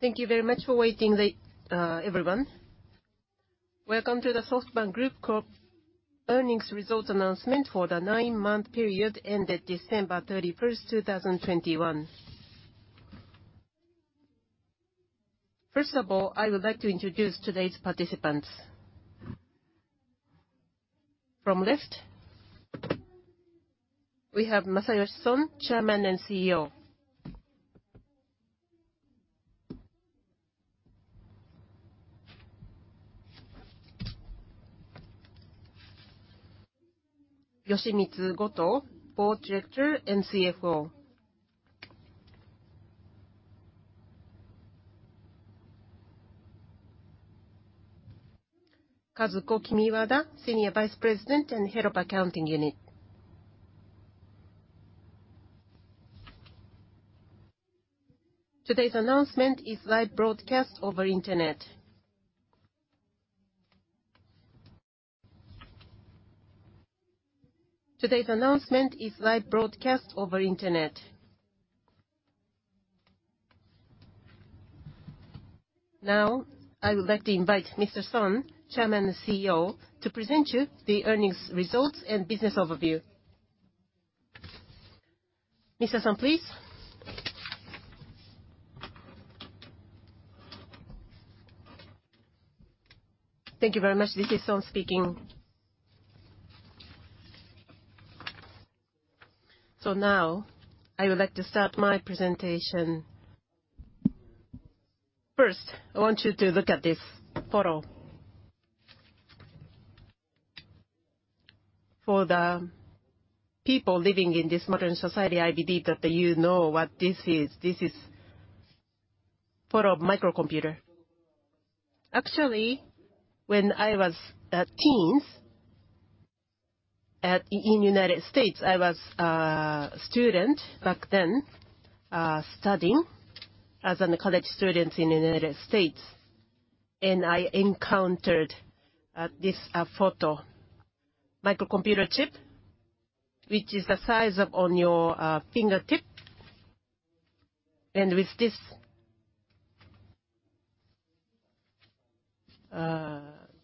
Thank you very much for waiting late, everyone. Welcome to the SoftBank Group Corp. earnings results announcement for the nine-month period ended December 31, 2021. First of all, I would like to introduce today's participants. From left, we have Masayoshi Son, Chairman and CEO. Yoshimitsu Goto, Board Director and CFO. Kazuko Kimiwada, Senior Vice President and Head of Accounting Unit. Today's announcement is live broadcast over internet. Now, I would like to invite Mr. Son, Chairman and CEO, to present to you the earnings results and business overview. Mr. Son, please. Thank you very much. This is Son speaking. Now, I would like to start my presentation. First, I want you to look at this photo. For the people living in this modern society, I believe that you know what this is. This is photo of microcomputer. Actually, when I was teens in United States, I was a student back then, studying as a college student in United States, and I encountered this photo of a microcomputer chip, which is the size of one on your fingertip. With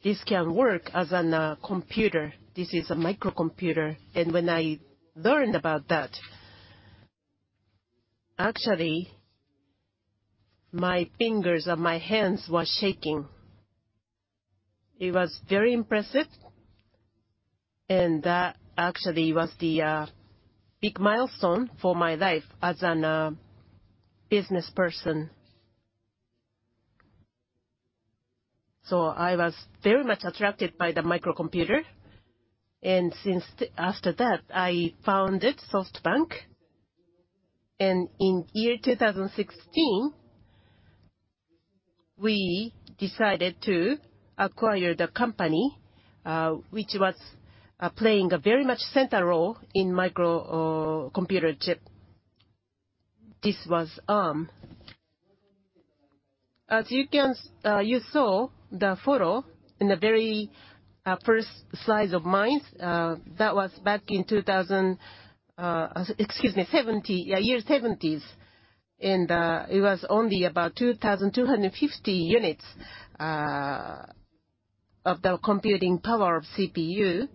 this can work as a computer. This is a microcomputer. When I learned about that, actually, my fingers and my hands were shaking. It was very impressive, and that actually was the big milestone for my life as a businessperson. I was very much attracted by the microcomputer. After that, I founded SoftBank. In 2016, we decided to acquire the company, which was playing a very central role in microcomputer chip. This was... As you can you saw the photo in the very first slides of mine, that was back in 1970, excuse me, 1970, yeah, year 1970s. It was only about 2,250 units of the computing power of CPU.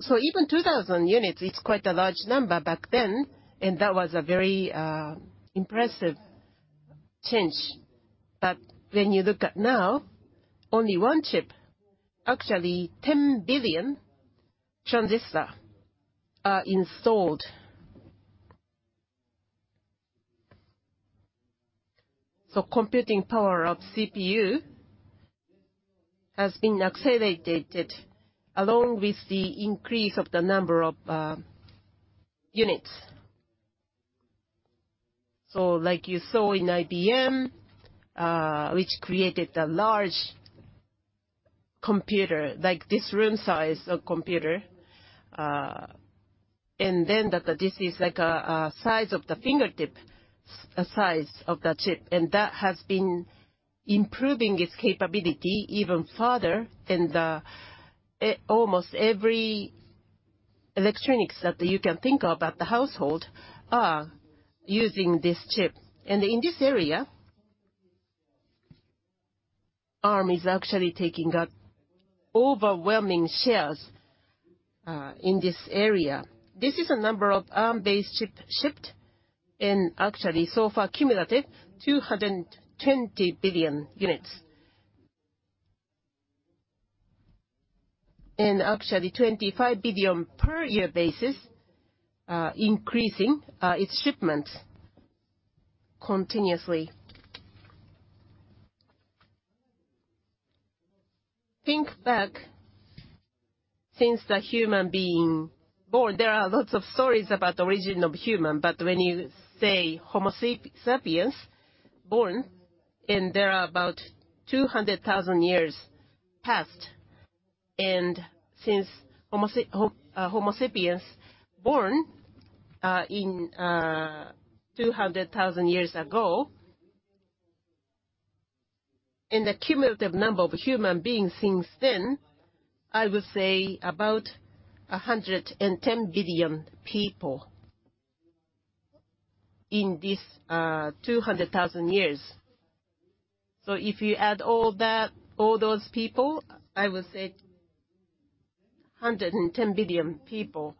Even 2,000 units, it's quite a large number back then, and that was a very impressive change. When you look at now, only one chip, actually 10 billion transistors are installed. Computing power of CPU has been accelerated along with the increase of the number of units. Like you saw in IBM, which created a large computer, like this room size of computer, and then that this is like a size of the fingertip size of the chip. That has been improving its capability even further, and almost every electronics that you can think of at the household are using this chip. In this area, Arm is actually taking overwhelming shares in this area. This is a number of Arm-based chips shipped, and actually so far cumulative, 220 billion units. Actually 25 billion per year basis, increasing its shipments continuously. Think back since the human being born, there are lots of stories about the origin of human. But when you say Homo Sapiens born, and there are about 200,000 years passed, and since Homo sapiens born in 200,000 years ago. The cumulative number of human beings since then, I would say about 110 billion people in this 200,000 years. If you add all that, all those people, I would say 110 billion people.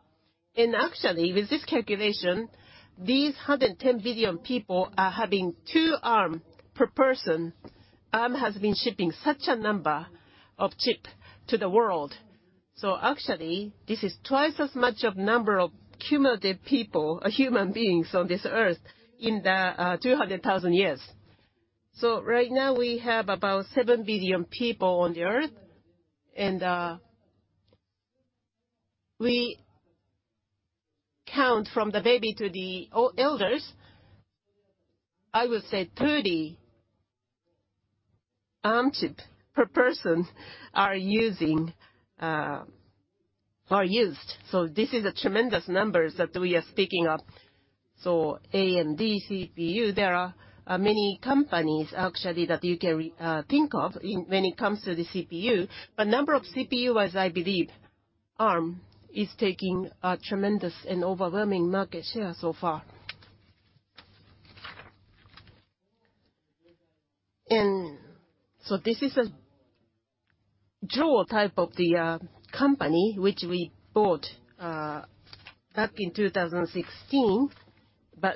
Actually, with this calculation, these 110 billion people are having 2 Arm per person. Arm has been shipping such a number of chip to the world. Actually, this is twice as much of number of cumulative people or human beings on this earth in the 200,000 years. Right now, we have about 7 billion people on the earth, and we count from the baby to the elders. I would say 30 Arm chip per person are used. This is a tremendous numbers that we are speaking of. AMD, CPU, there are many companies actually that you can think of in, when it comes to the CPU. Number of CPU, as I believe, Arm is taking a tremendous and overwhelming market share so far. This is a daughter company which we bought back in 2016.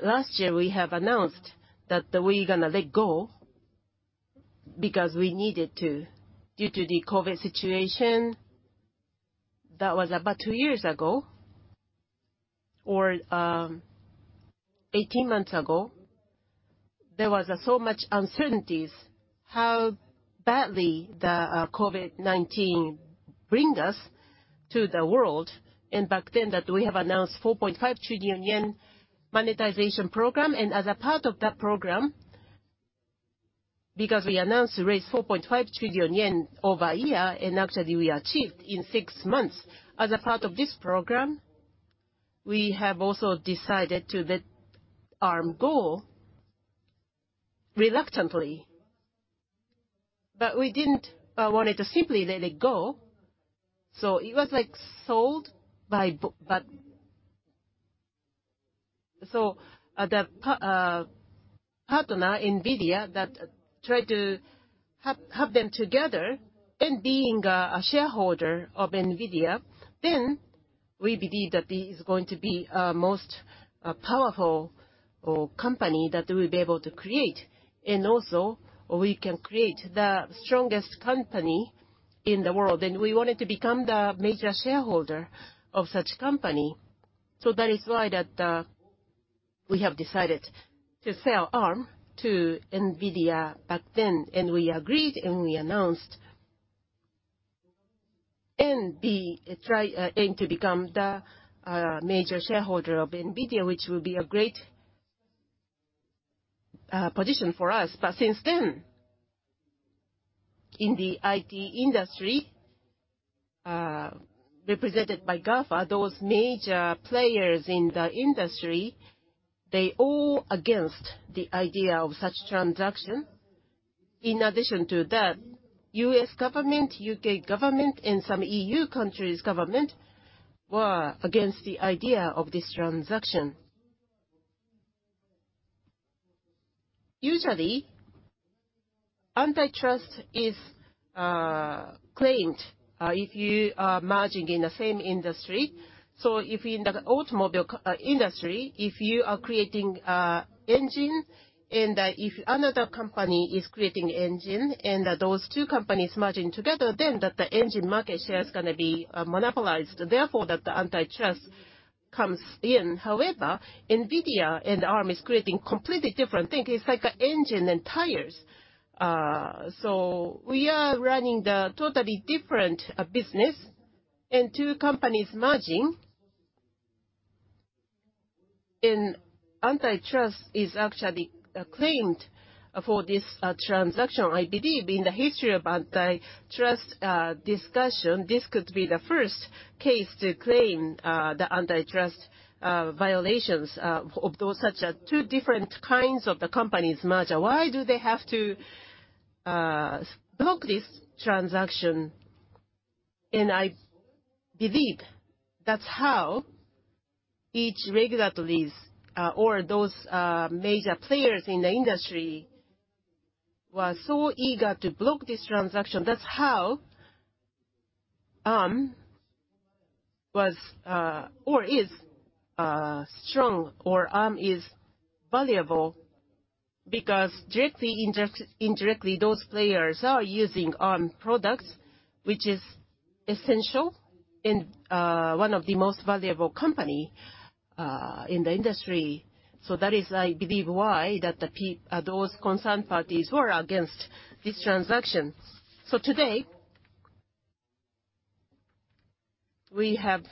Last year we have announced that we're gonna let go because we needed to, due to the COVID situation. That was about 2 years ago, or 18 months ago. There was so much uncertainties how badly the COVID-19 bring us to the world. Back then that we have announced 4.5 trillion yen monetization program. As a part of that program, because we announced to raise 4.5 trillion yen over a year, and actually we achieved in six months. As a part of this program, we have also decided to let Arm go reluctantly. We didn't want it to simply let it go. It was like sold. The partner NVIDIA that tried to have them together and being a shareholder of NVIDIA, then we believe that it is going to be most powerful Arm company that we'll be able to create. Also, we can create the strongest company in the world, and we wanted to become the major shareholder of such company. That is why that we have decided to sell Arm to NVIDIA back then. We agreed, and we announced and to become the major shareholder of NVIDIA, which will be a great position for us. Since then, in the IT industry, represented by GAFA, those major players in the industry, they all against the idea of such transaction. In addition to that, US government, UK government and some EU countries' government were against the idea of this transaction. Usually, antitrust is claimed if you are merging in the same industry. If in the automobile industry, if you are creating an engine, and if another company is creating an engine, and those two companies merging together, then the engine market share is gonna be monopolized, therefore, the antitrust comes in. However, NVIDIA and Arm is creating completely different thing. It's like engine and tires. We are running the totally different business and two companies merging. Antitrust is actually claimed for this transaction. I believe in the history of antitrust discussion, this could be the first case to claim the antitrust violations of those such two different kinds of the companies merger. Why do they have to block this transaction? I believe that's how each regulators or those major players in the industry was so eager to block this transaction. That's how Arm was or is strong, or Arm is valuable, because directly, indirectly, those players are using Arm products, which is essential and one of the most valuable company in the industry. That is, I believe, why those concerned parties were against this transaction. Today, we have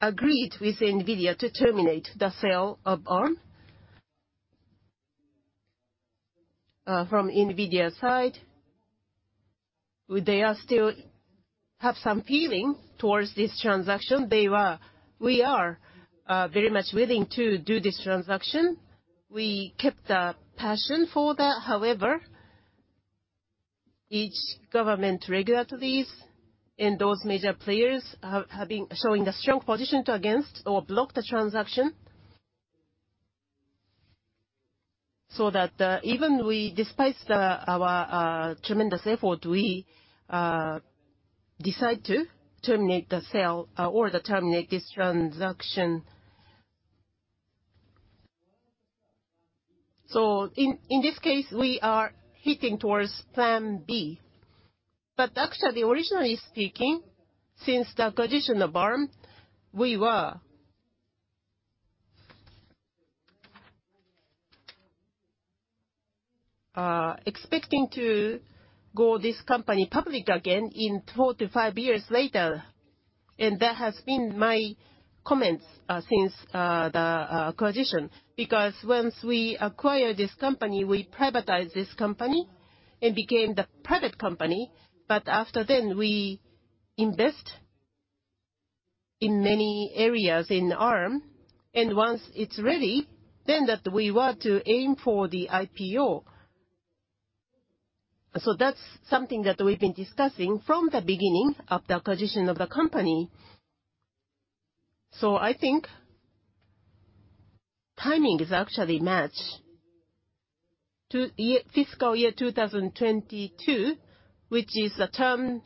agreed with NVIDIA to terminate the sale of Arm. From NVIDIA side, they still have some feeling towards this transaction. We are very much willing to do this transaction. We kept the passion for that. However, government regulators and those major players have been showing a strong position against or block the transaction. Despite our tremendous effort, we decide to terminate the sale or terminate this transaction. In this case, we are heading towards Plan B. Actually, originally speaking, since the acquisition of Arm, we were expecting to take this company public again in 4-5 years later. That has been my comments since the acquisition, because once we acquire this company, we privatize this company and became the private company. After then, we invest in many areas in Arm, and once it's ready, then that we were to aim for the IPO. That's something that we've been discussing from the beginning of the acquisition of the company. I think timing is actually match to year fiscal year 2022, which is the term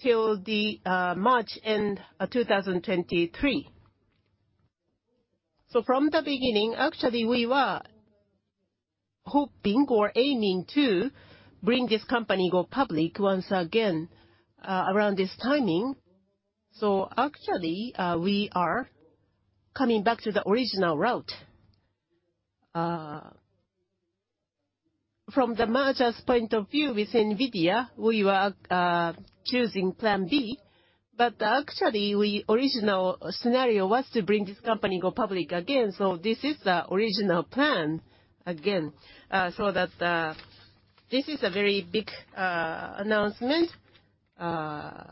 till the end of March 2023. From the beginning, actually, we were hoping or aiming to bring this company go public once again around this timing. Actually, we are coming back to the original route. From the merger's point of view with NVIDIA, we were choosing Plan B. Actually, our original scenario was to bring this company go public again. This is the original plan again so that this is a very big announcement so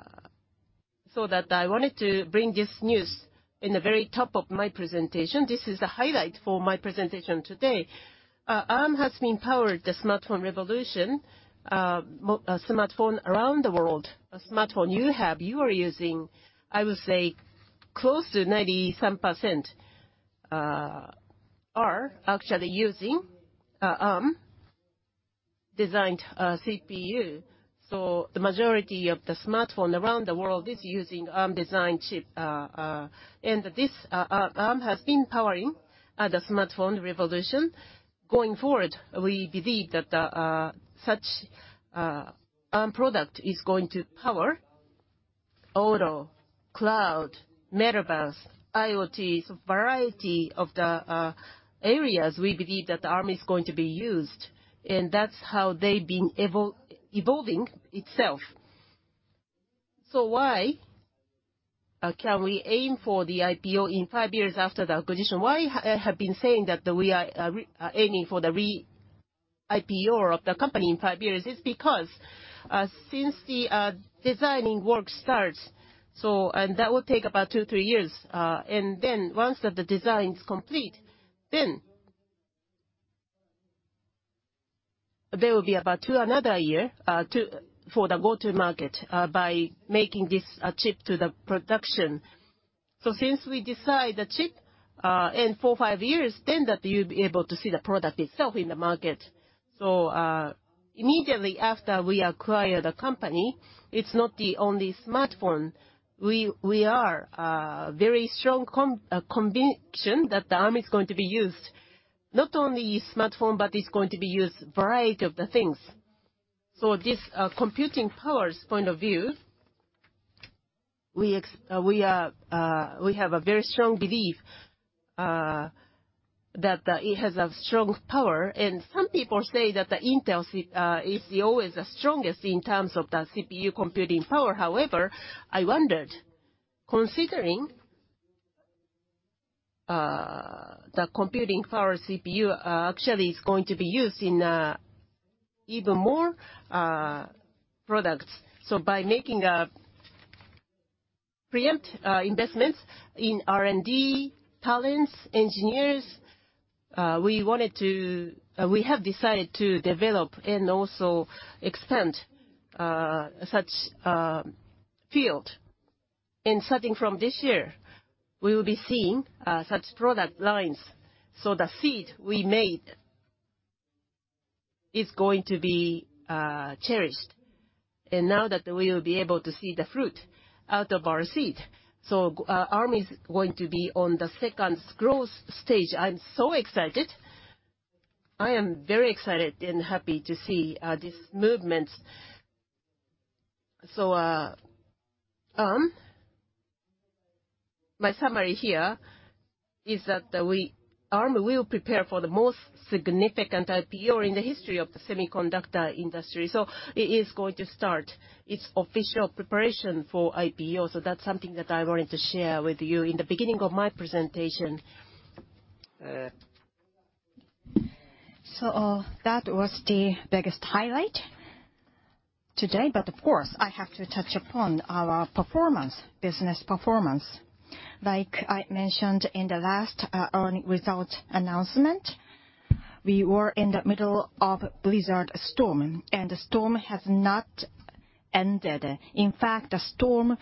that I wanted to bring this news in the very top of my presentation. This is the highlight for my presentation today. Arm has been powering the smartphone revolution, smartphone around the world. A smartphone you have, you are using, I would say close to 97%, are actually using Arm-designed CPU. The majority of the smartphone around the world is using Arm-designed chip, and Arm has been powering the smartphone revolution. Going forward, we believe that such Arm product is going to power auto, cloud, metaverse, IoT. A variety of the areas we believe that Arm is going to be used, and that's how they've been evolving itself. Why can we aim for the IPO in five years after the acquisition? Why I have been saying that we are aiming for the re-IPO of the company in 5 years is because since the designing work starts, and that will take about 2-3 years, and then once the design is complete, then there will be about another two years to for the go-to-market by making this chip to the production. Since we design the chip in 4-5 years, then that you'll be able to see the product itself in the market. Immediately after we acquired the company, it's not the only smartphone. We are very strong conviction that the Arm is going to be used, not only smartphone, but it's going to be used variety of the things. This computing power's point of view, we have a very strong belief that it has a strong power. Some people say that the Intel CPU is always the strongest in terms of the CPU computing power. However, I wondered, considering the computing power CPU actually is going to be used in even more products. By making preemptive investments in R&D, talents, engineers, we have decided to develop and also expand such field. Starting from this year, we will be seeing such product lines. The seed we made is going to be cherished. Now that we will be able to see the fruit out of our seed. Arm is going to be on the second growth stage. I'm so excited. I am very excited and happy to see this movement. Arm, my summary here is that Arm will prepare for the most significant IPO in the history of the semiconductor industry. It is going to start its official preparation for IPO. That's something that I wanted to share with you in the beginning of my presentation. That was the biggest highlight today, but of course, I have to touch upon our performance, business performance. Like I mentioned in the last earnings result announcement, we were in the middle of blizzard storm, and the storm has not ended. In fact, the storm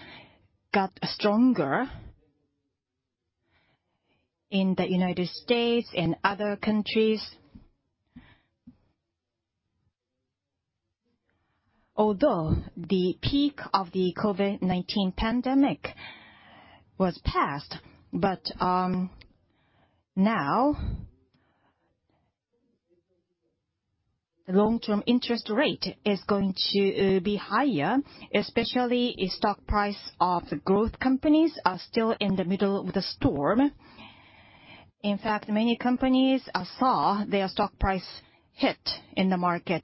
got stronger in the United States and other countries. Although the peak of the COVID-19 pandemic was passed, but now, the long-term interest rate is going to be higher, especially stock price of growth companies are still in the middle of the storm. In fact, many companies saw their stock price hit in the market,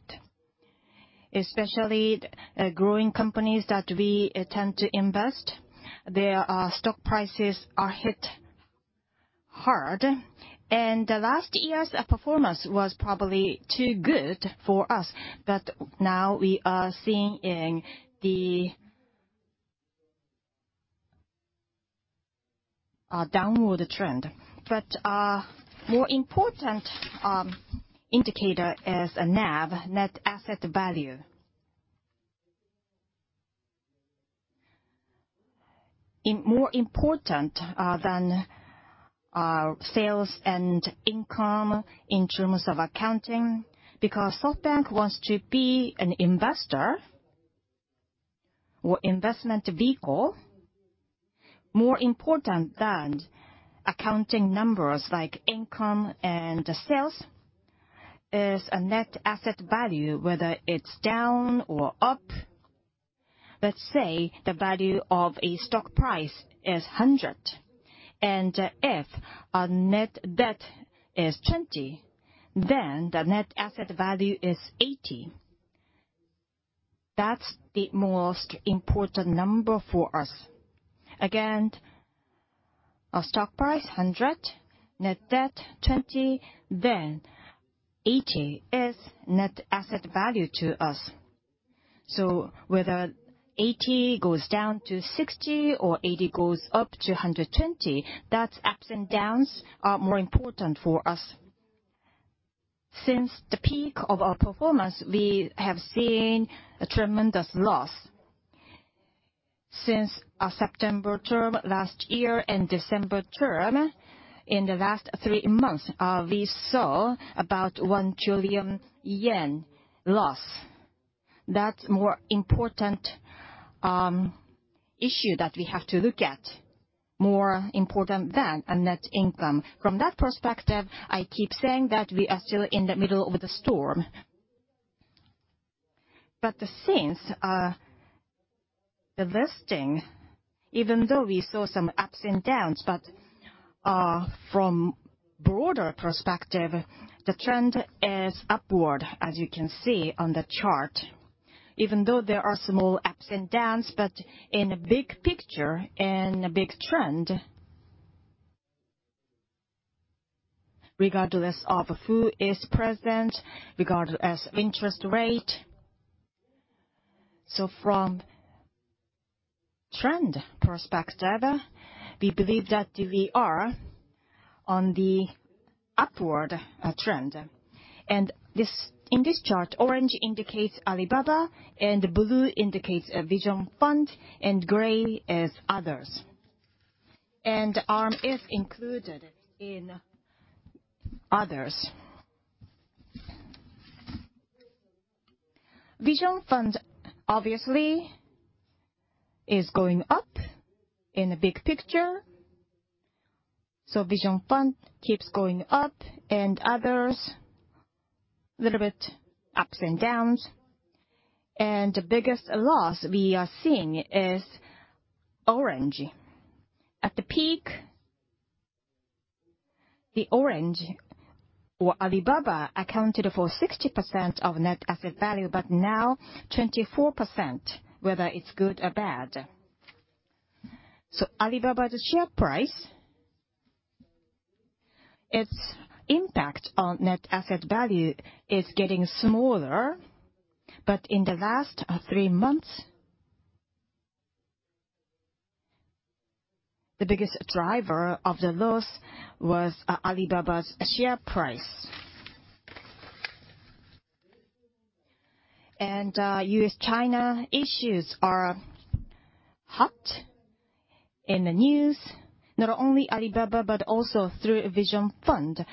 especially growing companies that we tend to invest, their stock prices are hit hard. The last year's performance was probably too good for us, but now we are seeing the downward trend. More important indicator is NAV, net asset value. It's more important than sales and income in terms of accounting, because SoftBank wants to be an investor or investment vehicle. More important than accounting numbers like income and sales is net asset value, whether it's down or up. Let's say the value of a stock price is 100, and if our net debt is 20, then the net asset value is 80. That's the most important number for us. Again, our stock price 100, net debt 20, then 80 is net asset value to us. Whether 80 goes down to 60 or 80 goes up to 120, those ups and downs are more important for us. Since the peak of our performance, we have seen a tremendous loss. Since our September term last year and December term, in the last 3 months, we saw about 1 trillion yen loss. That's more important issue that we have to look at, more important than a net income. From that perspective, I keep saying that we are still in the middle of the storm. Since investing, even though we saw some ups and downs, but from broader perspective, the trend is upward, as you can see on the chart. Even though there are small ups and downs, but in a big picture, in a big trend, regardless of who is present, regardless of interest rate. From trend perspective, we believe that we are on the upward trend. In this chart, orange indicates Alibaba, and blue indicates a Vision Fund, and gray is Others. Arm is included in Others. Vision Fund obviously is going up in the big picture. Vision Fund keeps going up, and Others, little bit ups and downs. The biggest loss we are seeing is Orange. At the peak, the Orange or Alibaba accounted for 60% of net asset value, but now 24%, whether it's good or bad. Alibaba's share price, its impact on net asset value is getting smaller. In the last three months, the biggest driver of the loss was Alibaba's share price. U.S.-China issues are hot in the news, not only Alibaba, but also through Vision Fund,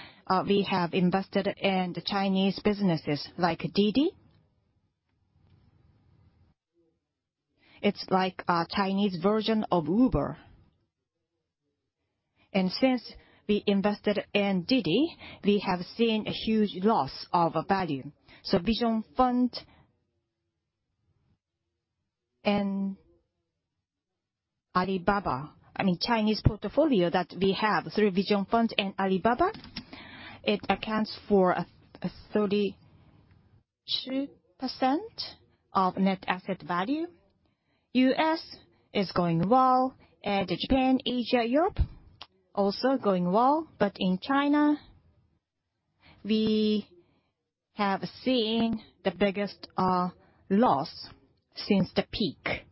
we have invested in the Chinese businesses like Didi. It's like a Chinese version of Uber. Since we invested in Didi, we have seen a huge loss of value. Vision Fund and Alibaba, I mean, Chinese portfolio that we have through Vision Fund and Alibaba, it accounts for 32% of net asset value. U.S. is going well, and Japan, Asia, Europe also going well. In China, we have seen the biggest loss since the peak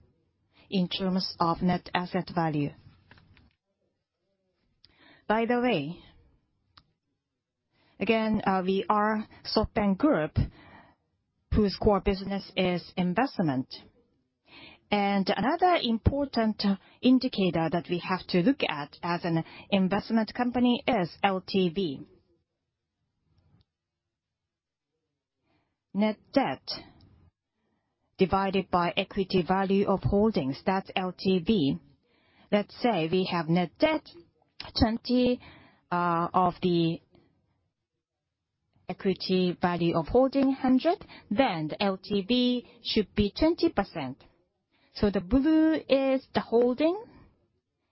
in terms of net asset value. By the way, again, we are SoftBank Group whose core business is investment. Another important indicator that we have to look at as an investment company is LTV. Net debt divided by equity value of holdings, that's LTV. Let's say we have net debt 20 of the equity value of holding 100, then the LTV should be 20%. The blue is the holding,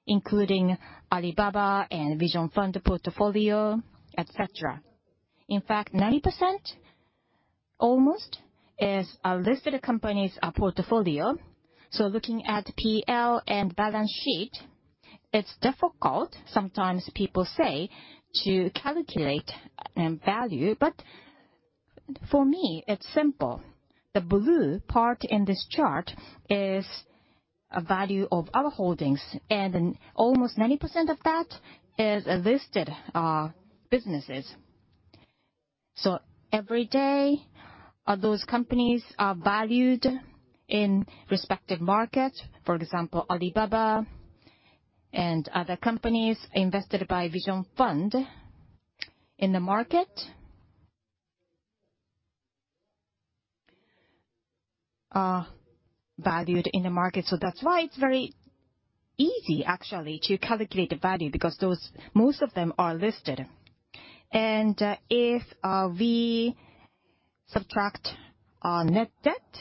including Alibaba and Vision Fund portfolio, et cetera. In fact, almost 90% is listed companies portfolio. Looking at P&L and balance sheet, it's difficult, sometimes people say, to calculate and value. For me, it's simple. The blue part in this chart is a value of our holdings, and almost 90% of that is listed businesses. Every day, those companies are valued in respective market. For example, Alibaba and other companies invested by Vision Fund in the market, are valued in the market. That's why it's very easy actually to calculate the value because those most of them are listed. If we subtract our net debt,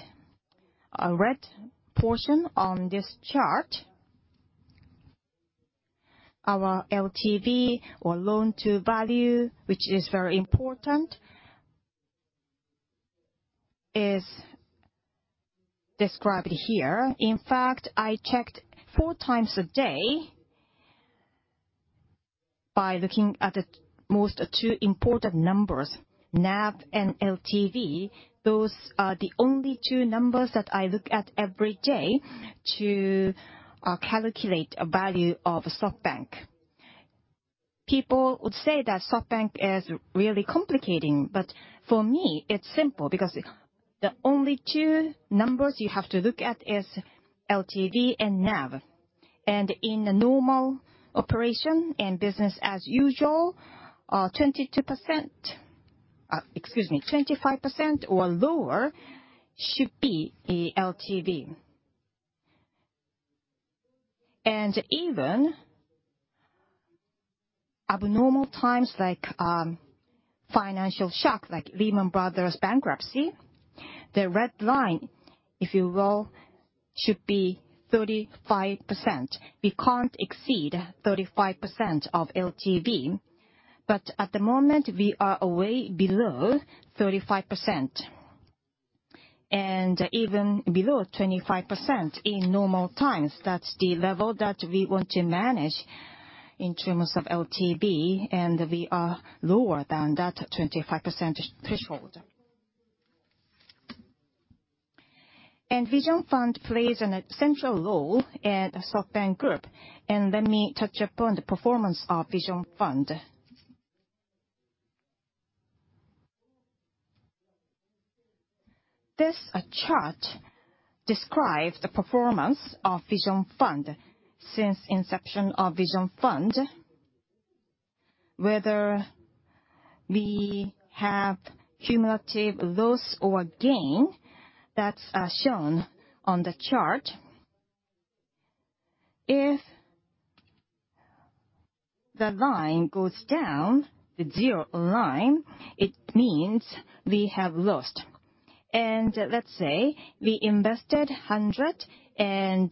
our red portion on this chart, our LTV or loan to value, which is very important, is described here. In fact, I checked four times a day by looking at the most two important numbers, NAV and LTV. Those are the only two numbers that I look at every day to calculate a value of SoftBank. People would say that SoftBank is really complicating, but for me it's simple because the only two numbers you have to look at is LTV and NAV. In a normal operation and business as usual, 25% or lower should be the LTV. Even abnormal times like financial shock, like Lehman Brothers bankruptcy, the red line, if you will, should be 35%. We can't exceed 35% of LTV. At the moment, we are way below 35%, and even below 25% in normal times. That's the level that we want to manage in terms of LTV, and we are lower than that 25% threshold. Vision Fund plays an essential role at SoftBank Group, and let me touch upon the performance of Vision Fund. This chart describes the performance of Vision Fund since inception of Vision Fund, whether we have cumulative loss or gain that's shown on the chart. If the line goes down to zero line, it means we have lost. Let's say we invested 100 and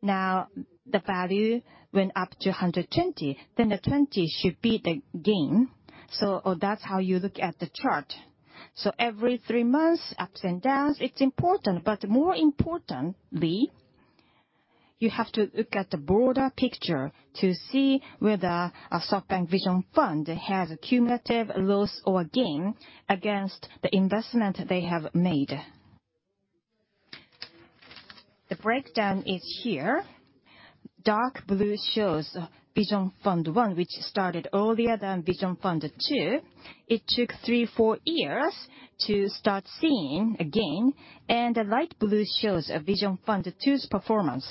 now the value went up to 120, then the 20 should be the gain. That's how you look at the chart. Every three months, ups and downs, it's important. But more importantly, you have to look at the broader picture to see whether SoftBank Vision Fund has a cumulative loss or gain against the investment they have made. The breakdown is here. Dark blue shows Vision Fund One, which started earlier than Vision Fund Two. It took 3 or 4 years to start seeing a gain. The light blue shows Vision Fund Two's performance.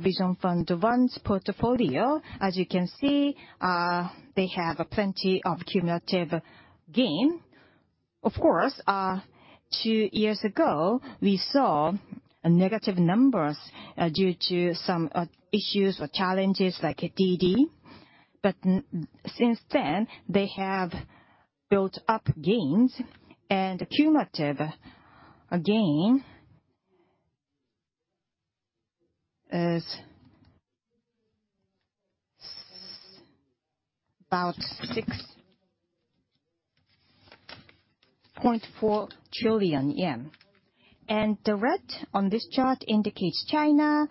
Vision Fund One's portfolio, as you can see, they have plenty of cumulative gain. Of course, 2 years ago we saw negative numbers due to some issues or challenges like Didi. Since then, they have built up gains and cumulative gain is about JPY 6.4 trillion. The red on this chart indicates China,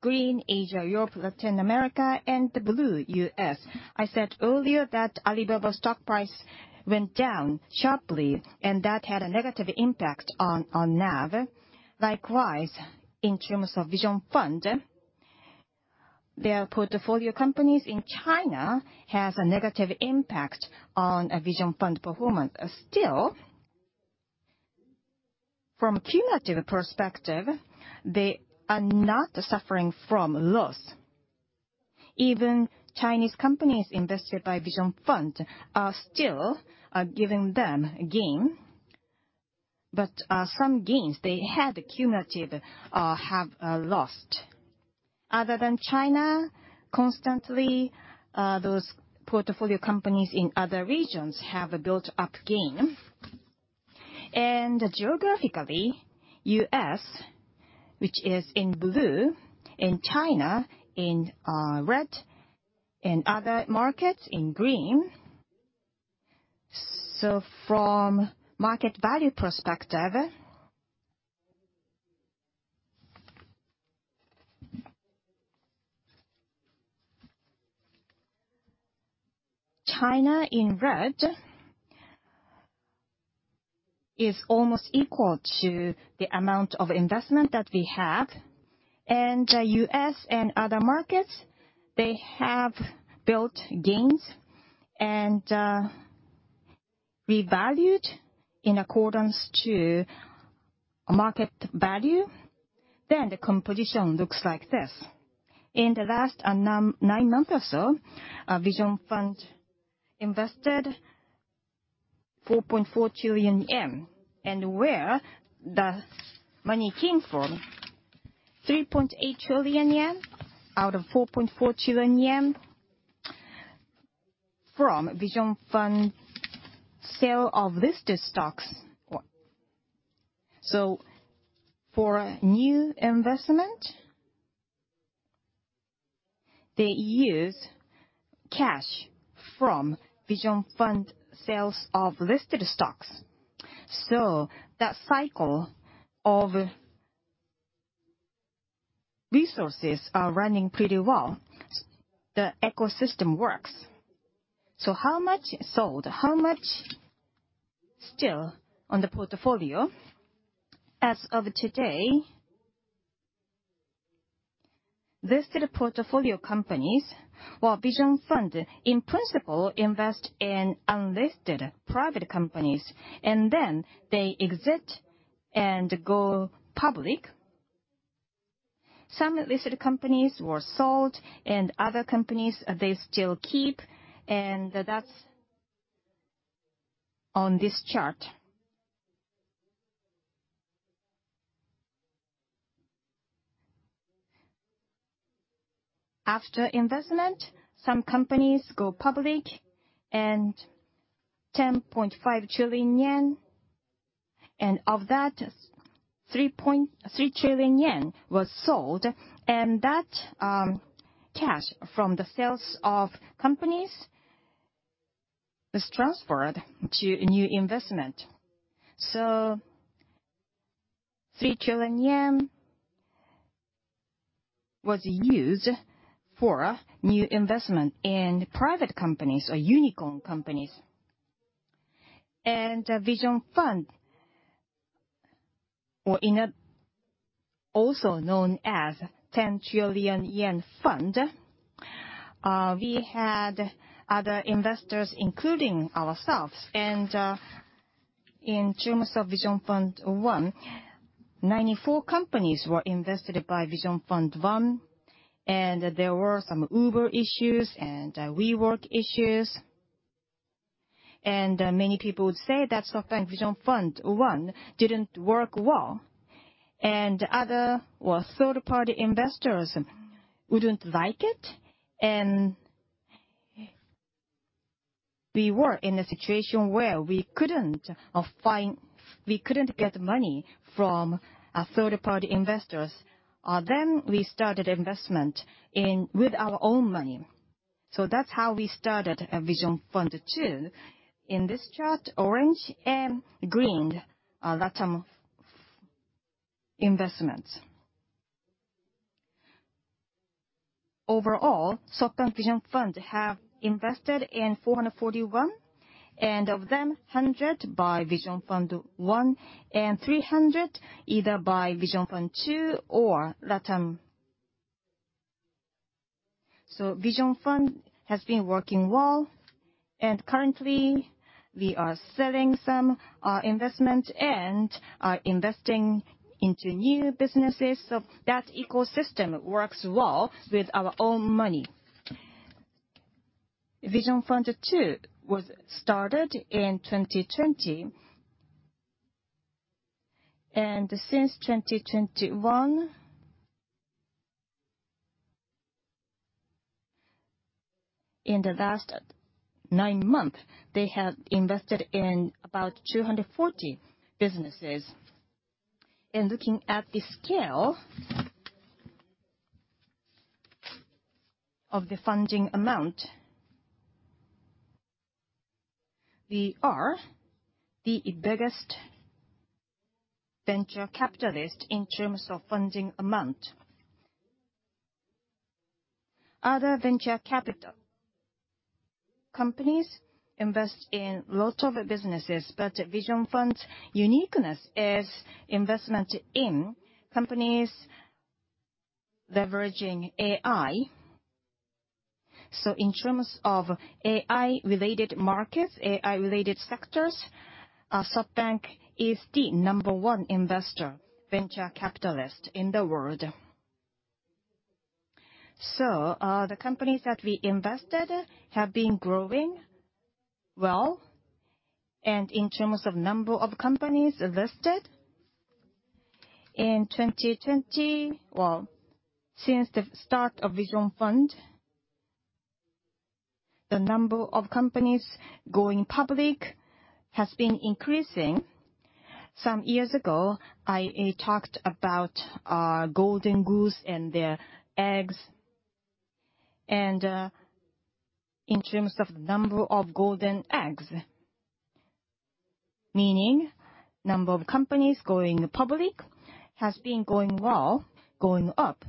green Asia, Europe, Latin America, and the blue US. I said earlier that Alibaba stock price went down sharply and that had a negative impact on NAV. Likewise, in terms of Vision Fund, their portfolio companies in China has a negative impact on a Vision Fund performance. Still, from a cumulative perspective, they are not suffering from loss. Even Chinese companies invested by Vision Fund are still giving them gain. But some gains they had cumulatively have lost. Other than China, consistently those portfolio companies in other regions have built up gain. Geographically, U.S., which is in blue, and China in red, and other markets in green. From market value perspective, China in red is almost equal to the amount of investment that we have. The U.S. and other markets, they have built gains and revalued in accordance to market value. The composition looks like this. In the last nine months or so, our Vision Fund invested 4.4 trillion yen. Where the money came from, 3.8 trillion yen out of 4.4 trillion yen from Vision Fund sale of listed stocks. For new investment, they use cash from Vision Fund sales of listed stocks. That cycle of resources are running pretty well. The ecosystem works. How much sold? How much still on the portfolio? As of today, listed portfolio companies or Vision Fund in principle invest in unlisted private companies and then they exit and go public. Some listed companies were sold and other companies, they still keep, and that's on this chart. After investment, some companies go public, and 10.5 trillion yen, and of that, 3 trillion yen was sold. And that cash from the sales of companies is transferred to a new investment. 3 trillion yen was used for new investment in private companies or unicorn companies. And Vision Fund, or also known as 10 trillion yen fund, we had other investors, including ourselves. In terms of Vision Fund 1, 94 companies were invested by Vision Fund 1, and there were some Uber issues and WeWork issues. Many people would say that SoftBank Vision Fund 1 didn't work well, and other or third-party investors wouldn't like it. We were in a situation where we couldn't get money from third-party investors. We started investment with our own money. That's how we started a Vision Fund 2. In this chart, orange and green are LatAm investments. Overall, SoftBank Vision Fund have invested in 441, and of them, 100 by Vision Fund 1, and 300 either by Vision Fund 2 or LatAm. Vision Fund has been working well, and currently, we are selling some investment and investing into new businesses. That ecosystem works well with our own money. Vision Fund 2 was started in 2020. Since 2021. In the last 9 months, they have invested in about 240 businesses. Looking at the scale of the funding amount, we are the biggest venture capitalist in terms of funding amount. Other venture capital companies invest in lots of businesses, but Vision Fund uniqueness is investment in companies leveraging AI. In terms of AI related markets, AI related sectors, SoftBank is the number one investor venture capitalist in the world. The companies that we invested have been growing well, and in terms of number of companies invested in 2020, well, since the start of Vision Fund, the number of companies going public has been increasing. Some years ago, I talked about our golden goose and their eggs. In terms of number of golden eggs, meaning number of companies going public has been going well, going up.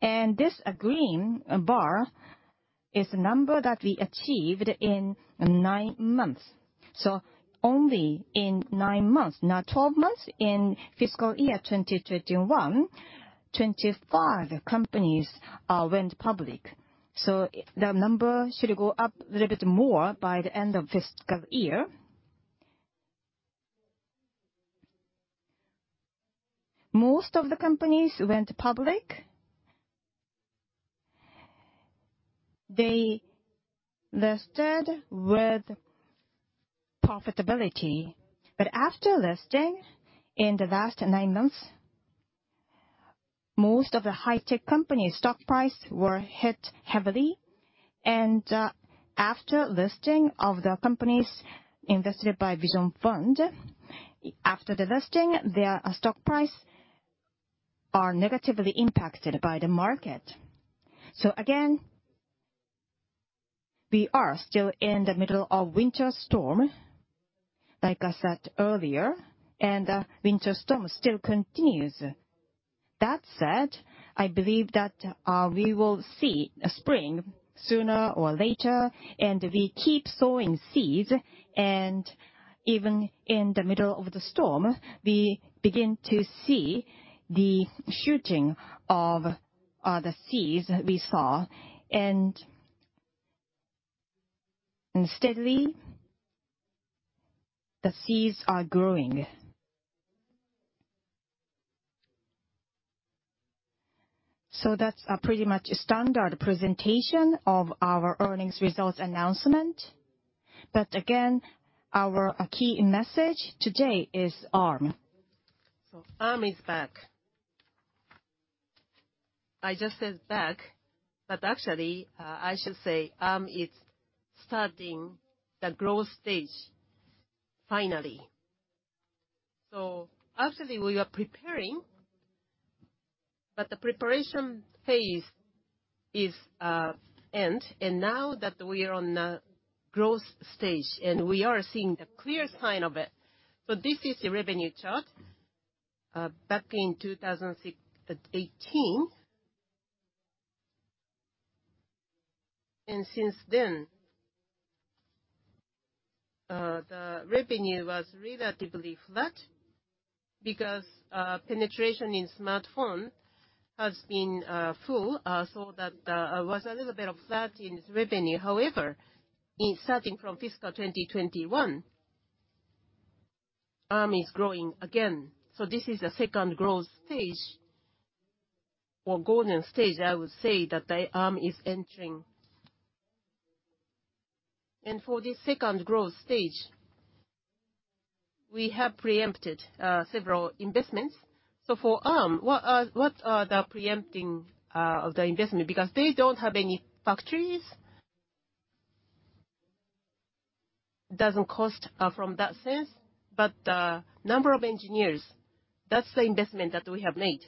This green bar is the number that we achieved in nine months. Only in nine months, not 12 months in fiscal year 2021, 25 companies went public. The number should go up a little bit more by the end of fiscal year. Most of the companies went public. They listed with profitability. After listing in the last nine months, most of the high tech companies stock price were hit heavily. After listing of the companies invested by Vision Fund, after the listing, their stock price are negatively impacted by the market. Again, we are still in the middle of winter storm, like I said earlier, and the winter storm still continues. That said, I believe that we will see a spring sooner or later, and we keep sowing seeds. Even in the middle of the storm, we begin to see the shooting of the seeds we sow. Steadily, the seeds are growing. That's a pretty much standard presentation of our earnings results announcement. Again, our key message today is Arm. Arm is back. I just said back, but actually I should say Arm is starting the growth stage finally. Actually we are preparing, but the preparation phase is ending. Now that we are on a growth stage, and we are seeing the clear sign of it. This is the revenue chart back in 2018. Since then, the revenue was relatively flat because penetration in smartphone has been full, so that was a little bit of flat in revenue. However, starting from fiscal 2021, Arm is growing again. This is the second growth stage or golden stage, I would say that the Arm is entering. For this second growth stage, we have preempted several investments. For Arm, what are the preempting of the investment? Because they don't have any factories. It doesn't cost from that sense, but the number of engineers, that's the investment that we have made.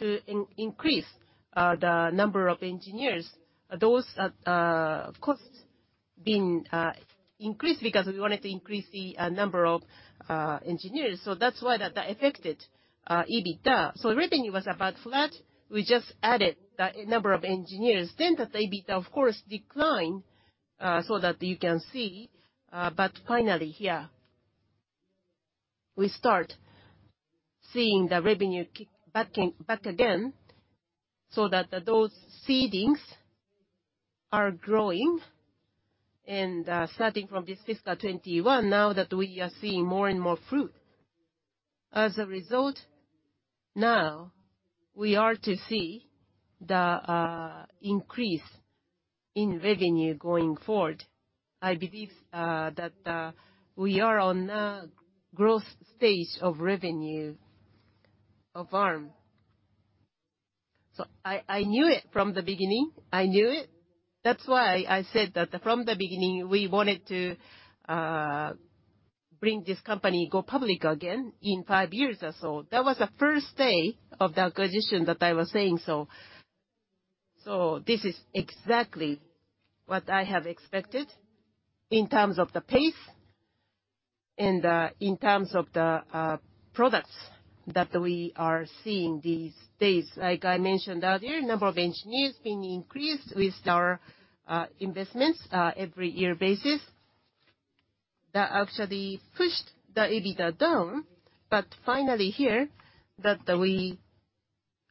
To increase the number of engineers, those costs have been increased because we wanted to increase the number of engineers. That's why that affected EBITDA. Revenue was about flat. We just added the number of engineers. The EBITDA of course declined, so that you can see. Finally here, we start seeing the revenue kick back in again so that those seedings are growing. Starting from this FY 2021, now that we are seeing more and more fruit. As a result, now we are to see the increase in revenue going forward. I believe that we are on a growth stage of revenue. Of Arm. I knew it from the beginning. I knew it. That's why I said that from the beginning, we wanted to bring this company go public again in five years or so. That was the first day of the acquisition that I was saying so. This is exactly what I have expected in terms of the pace and in terms of the products that we are seeing these days. Like I mentioned earlier, number of engineers being increased with our investments every year basis. That actually pushed the EBITDA down, but finally here that we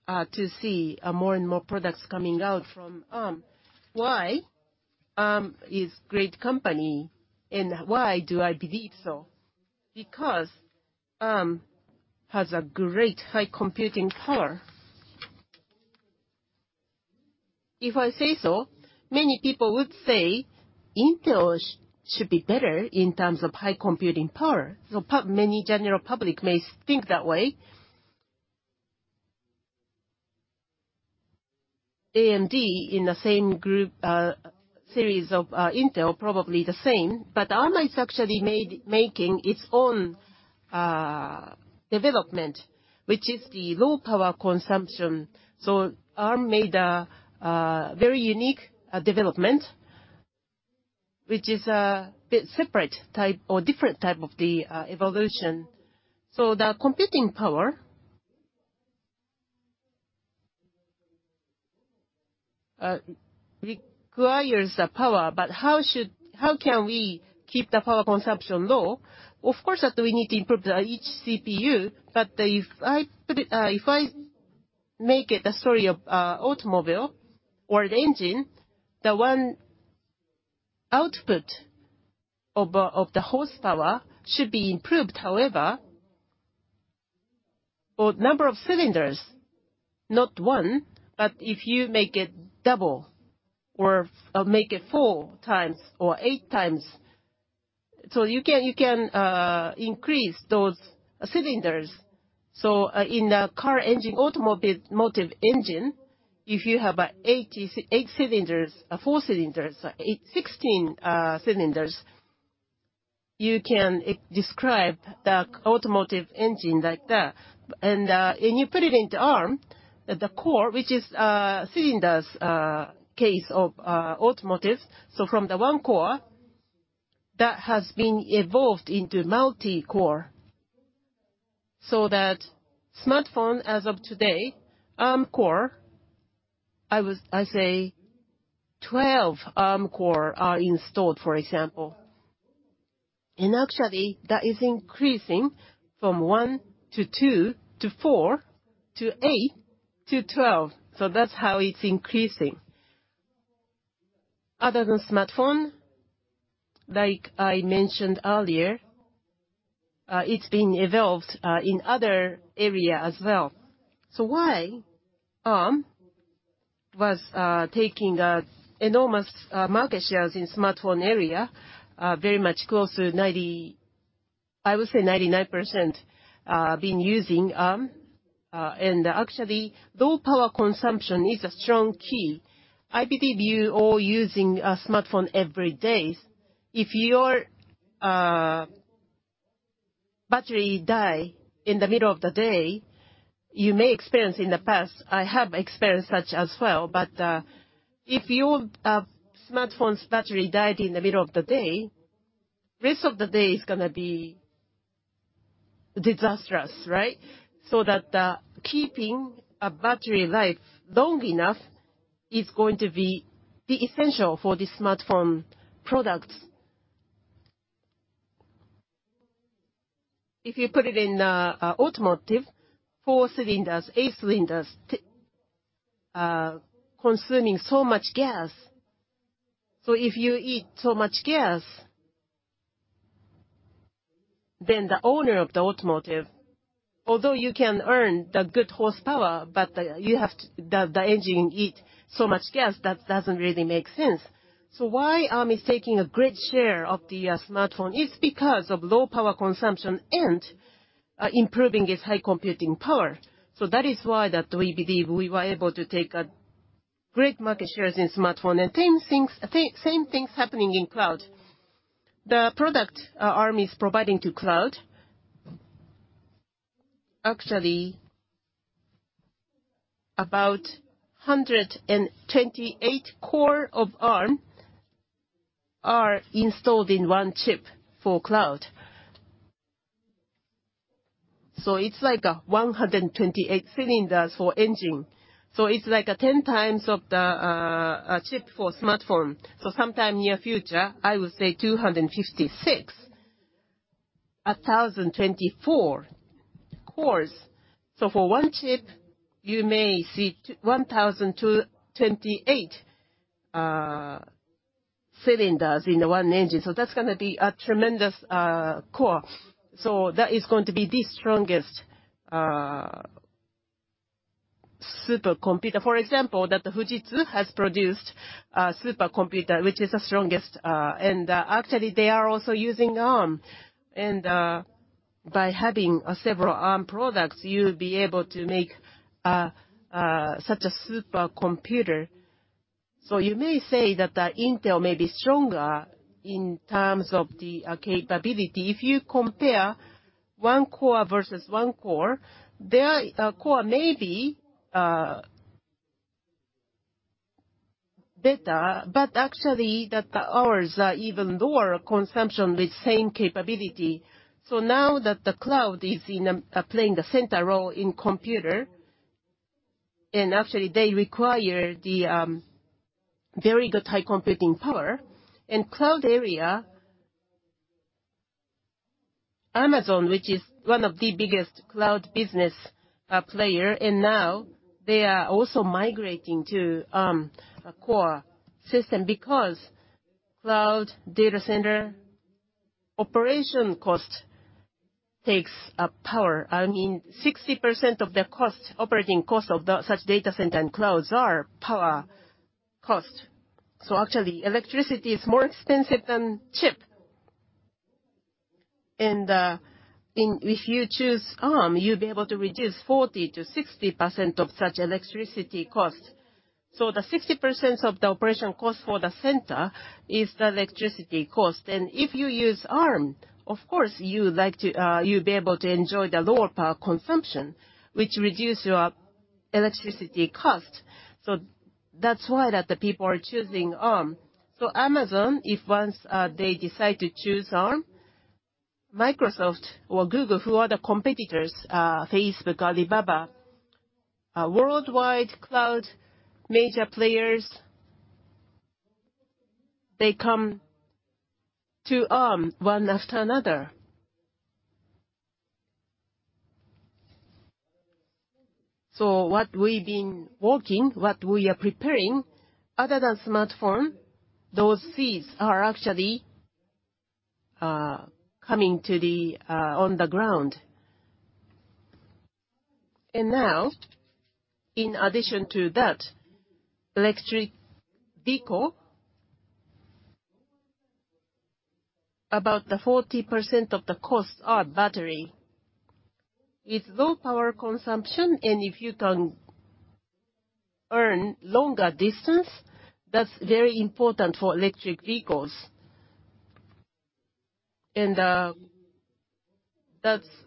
are to see more and more products coming out from Arm. Why Arm is great company, and why do I believe so? Because Arm has a great high computing power. If I say so, many people would say Intel should be better in terms of high computing power. Many general public may think that way. AMD in the same group, series of Intel, probably the same, but Arm is actually making its own development, which is the low power consumption. Arm made a very unique development, which is a bit separate type or different type of the evolution. The computing power requires the power, but how can we keep the power consumption low? Of course, that we need to improve each CPU, but if I make it the story of automobile or an engine, the one output of the horsepower should be improved. However, the number of cylinders, not one, but if you make it double or make it 4x or 8x, you can increase those cylinders. In a car engine, automotive engine, if you have eight cylinders, four cylinders, eight cylinders, sixteen cylinders, you can describe the automotive engine like that. You put it into Arm, the core, which is cylinders, in the case of automotive. From the 1 core, that has been evolved into multi-core. That smartphone as of today, Arm cores, I would say 12 Arm cores are installed, for example. Actually that is increasing from 1 to 2 to 4 to 8 to 12. That's how it's increasing. Other than smartphone, like I mentioned earlier, it's been evolved in other area as well. Why Arm was taking enormous market shares in smartphone area, very much closer to 90, I would say 99%, being used, Arm. Actually, low power consumption is a strong key. I believe you all using a smartphone every day. If your battery die in the middle of the day, you may experience in the past, I have experienced such as well. If your smartphone's battery died in the middle of the day, rest of the day is gonna be disastrous, right? Keeping a battery life long enough is going to be the essential for the smartphone products. If you put it in automotive, four cylinders, eight cylinders, consuming so much gas. If you eat so much gas, then the owner of the automobile, although you can earn the good horsepower, but you have to the engine eat so much gas, that doesn't really make sense. Why Arm is taking a great share of the smartphone? It's because of low power consumption and improving its high computing power. That is why we believe we were able to take a great market shares in smartphone and same things, same things happening in cloud. The product Arm is providing to cloud, actually about 128 cores of Arm are installed in one chip for cloud. It's like a 128 cylinders for engine. It's like a 10x of the chip for smartphone. Sometime near future, I would say 256, 1,024 cores. For one chip, you may see 1,000 to 28 cylinders in the one engine. That's gonna be a tremendous core. That is going to be the strongest supercomputer, for example, that Fujitsu has produced, a supercomputer which is the strongest, and actually they are also using Arm. By having several Arm products, you'll be able to make such a supercomputer. You may say that Intel may be stronger in terms of the capability. If you compare one core versus one core, their core may be better, but actually that ours are even lower consumption with same capability. Now that the cloud is now playing the central role in computer, and actually they require the very good high computing power. In cloud area, Amazon, which is one of the biggest cloud business player, and now they are also migrating to Arm core system because cloud data center operation cost takes a power. I mean, 60% of the cost, operating cost of such data center and clouds are power cost. Actually electricity is more expensive than chips. If you choose Arm, you'll be able to reduce 40%-60% of such electricity cost. The 60% of the operation cost for the center is the electricity cost. If you use Arm, of course, you'll be able to enjoy the lower power consumption, which reduce your electricity cost. That's why the people are choosing Arm. Amazon, if once they decide to choose Arm, Microsoft or Google, who are the competitors, Facebook, Alibaba, worldwide cloud major players, they come to Arm one after another. What we've been working, what we are preparing, other than smartphone, those seeds are actually coming to the on the ground. Now, in addition to that, electric vehicle, about the 40% of the costs are battery. With low power consumption, and if you can earn longer distance, that's very important for electric vehicles. That's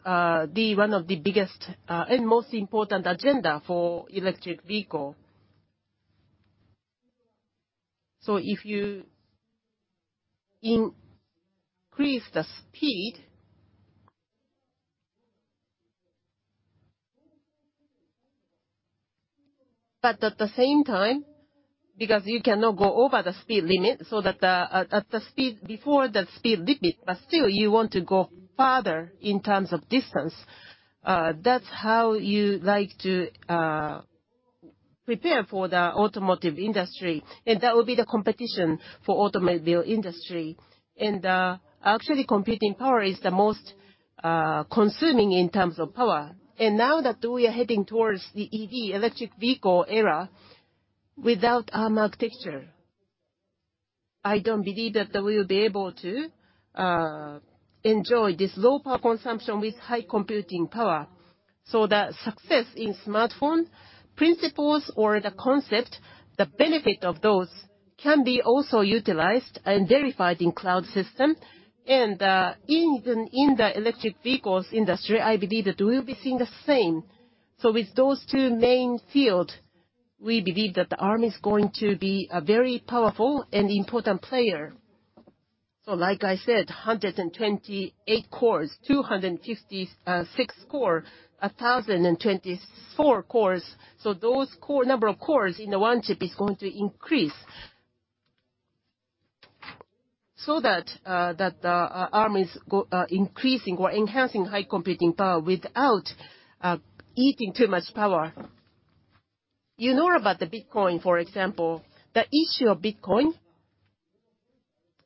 the one of the biggest and most important agenda for electric vehicle. If you increase the speed, but at the same time, because you cannot go over the speed limit, so that, at the speed before the speed limit, but still you want to go farther in terms of distance, that's how you like to prepare for the automotive industry. That would be the competition for automobile industry. Actually computing power is the most consuming in terms of power. Now that we are heading towards the EV, electric vehicle era, without Arm architecture, I don't believe that they will be able to enjoy this low power consumption with high computing power. The success in smartphone principles or the concept, the benefit of those can be also utilized and verified in cloud system. Even in the electric vehicles industry, I believe that we'll be seeing the same. With those two main fields, we believe that Arm is going to be a very powerful and important player. Like I said, 128 cores, 256 cores, 1024 cores. The number of cores in the one chip is going to increase. That Arm is increasing or enhancing high computing power without eating too much power. You know about the Bitcoin, for example. The issue of Bitcoin,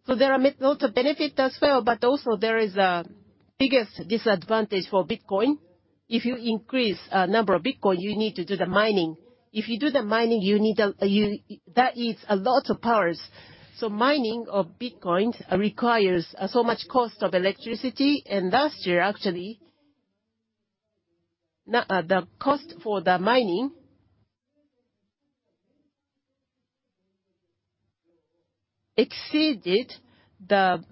there are lots of benefits as well, but also there is a biggest disadvantage for Bitcoin. If you increase number of Bitcoin, you need to do the mining. If you do the mining, you need that eats a lot of power. Mining of Bitcoin requires so much cost of electricity, and last year actually, the cost for the mining exceeded the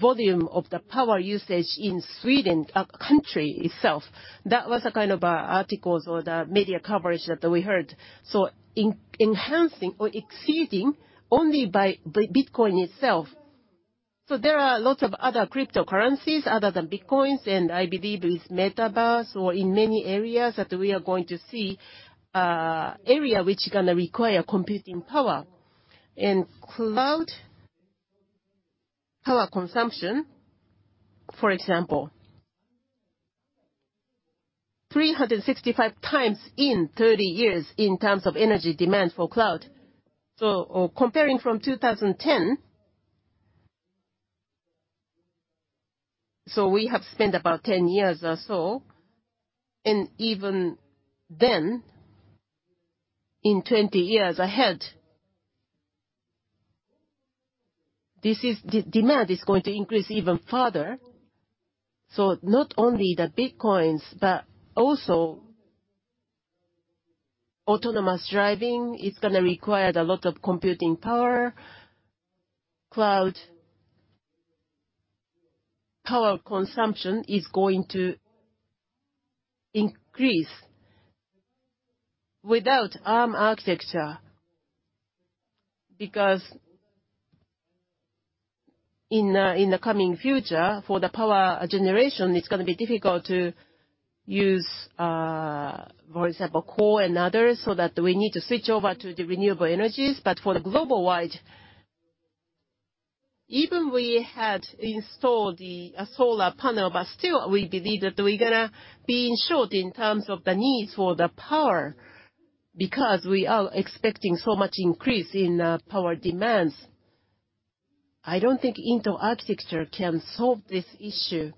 volume of the power usage in Sweden, a country itself. That was a kind of articles or the media coverage that we heard. Enhancing or exceeding only by Bitcoin itself. There are lots of other cryptocurrencies other than Bitcoin, and I believe with metaverse or in many areas that we are going to see, area which gonna require computing power. Cloud power consumption, for example, 365 times in 30 years in terms of energy demand for cloud. Comparing from 2010, we have spent about 10 years or so, and even then, in 20 years ahead, the demand is going to increase even further. Not only the Bitcoin, but also autonomous driving, it's gonna require a lot of computing power. Cloud power consumption is going to increase without architecture, because in the coming future, for the power generation, it's gonna be difficult to use, for example, coal and others, so that we need to switch over to the renewable energies. For the global wide, even we had installed the solar panel, but still we believe that we're gonna be in short in terms of the need for the power, because we are expecting so much increase in power demands. I don't think Intel architecture can solve this issue.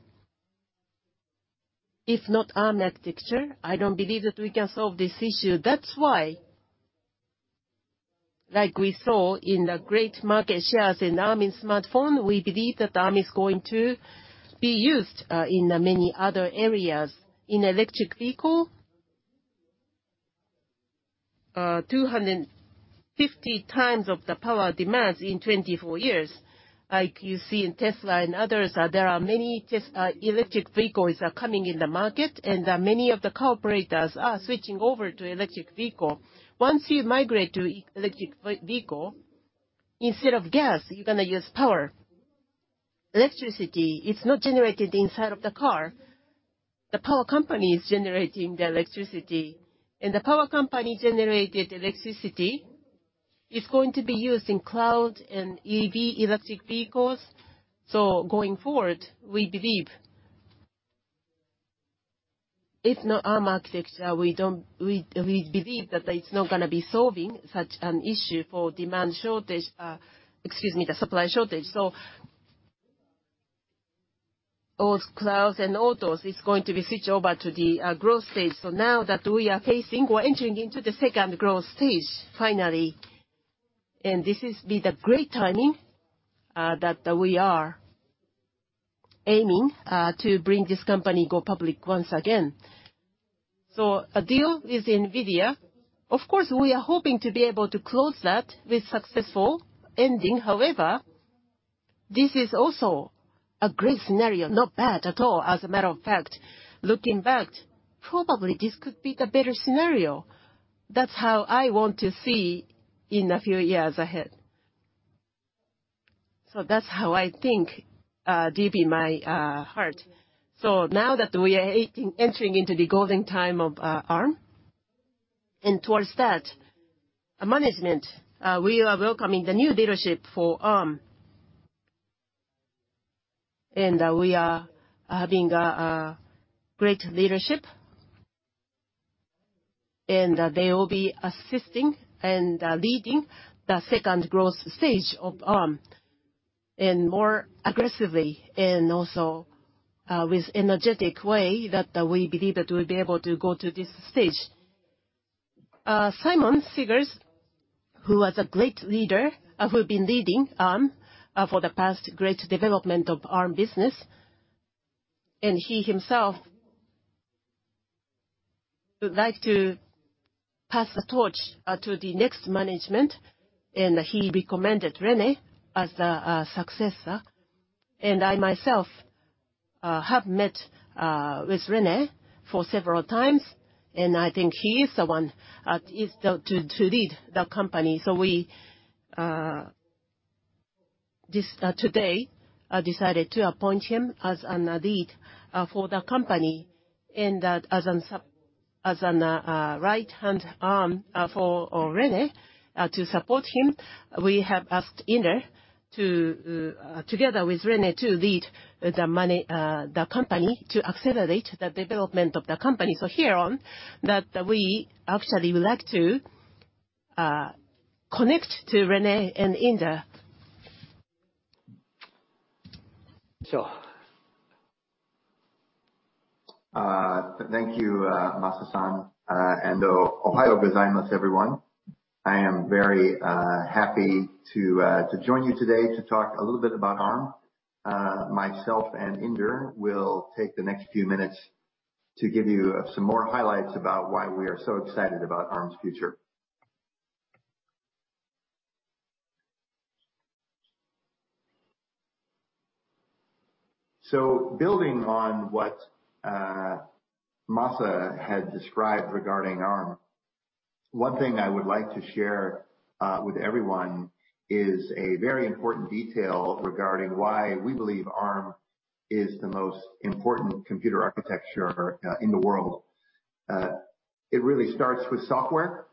If not Arm architecture, I don't believe that we can solve this issue. That's why, like we saw in the great market shares in Arm in smartphone, we believe that Arm is going to be used in the many other areas. In electric vehicle, 250x of the power demands in 24 years, like you see in Tesla and others. There are many electric vehicles coming in the market, and many of the car operators are switching over to electric vehicle. Once you migrate to electric vehicle, instead of gas, you're gonna use power. Electricity, it's not generated inside of the car. The power company is generating the electricity, and the power company-generated electricity is going to be used in cloud and EV, electric vehicles. Going forward, we believe if not Arm architecture, we believe that it's not gonna be solving such an issue for demand shortage. The supply shortage. All clouds and autos is going to be switched over to the growth stage. Now that we are facing, we're entering into the second growth stage, finally, and this is be the great timing that we are aiming to bring this company go public once again. A deal with NVIDIA, of course, we are hoping to be able to close that with successful ending. However, this is also a great scenario, not bad at all. As a matter of fact, looking back, probably this could be the better scenario. That's how I want to see in a few years ahead. That's how I think deep in my heart. Now that we are entering into the golden time of Arm, and towards that, management we are welcoming the new leadership for Arm. We are having a great leadership. They will be assisting and leading the second growth stage of Arm, and more aggressively and also with energetic way that we believe that we'll be able to go to this stage. Simon Segars, who was a great leader, who've been leading Arm for the past great development of Arm business, and he himself would like to pass the torch to the next management, and he recommended Rene Haas as the successor. I myself have met with Rene Haas for several times, and I think he is the one to lead the company. We today decided to appoint him as a leader for the company. As a right-hand arm for Rene to support him, we have asked Inder to together with Rene to lead the company to accelerate the development of the company. Here on that we actually would like to connect to Rene and Inder. Thank you, Masa Son, and ohayo gozaimasu, everyone. I am very happy to join you today to talk a little bit about Arm. Myself and Inder will take the next few minutes to give you some more highlights about why we are so excited about Arm's future. Building on what Masa had described regarding Arm, one thing I would like to share with everyone is a very important detail regarding why we believe Arm is the most important computer architecture in the world. It really starts with software.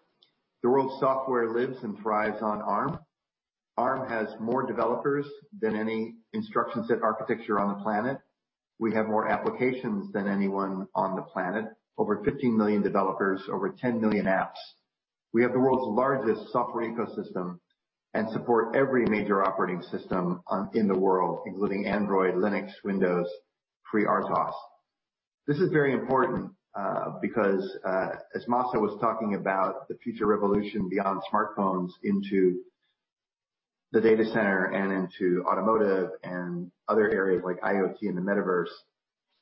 The world's software lives and thrives on Arm. Arm has more developers than any instruction set architecture on the planet. We have more applications than anyone on the planet. Over 15 million developers, over 10 million apps. We have the world's largest software ecosystem and support every major operating system in the world, including Android, Linux, Windows, FreeRTOS. This is very important, because, as Masa was talking about the future revolution beyond smartphones into the data center and into automotive and other areas like IoT and the metaverse,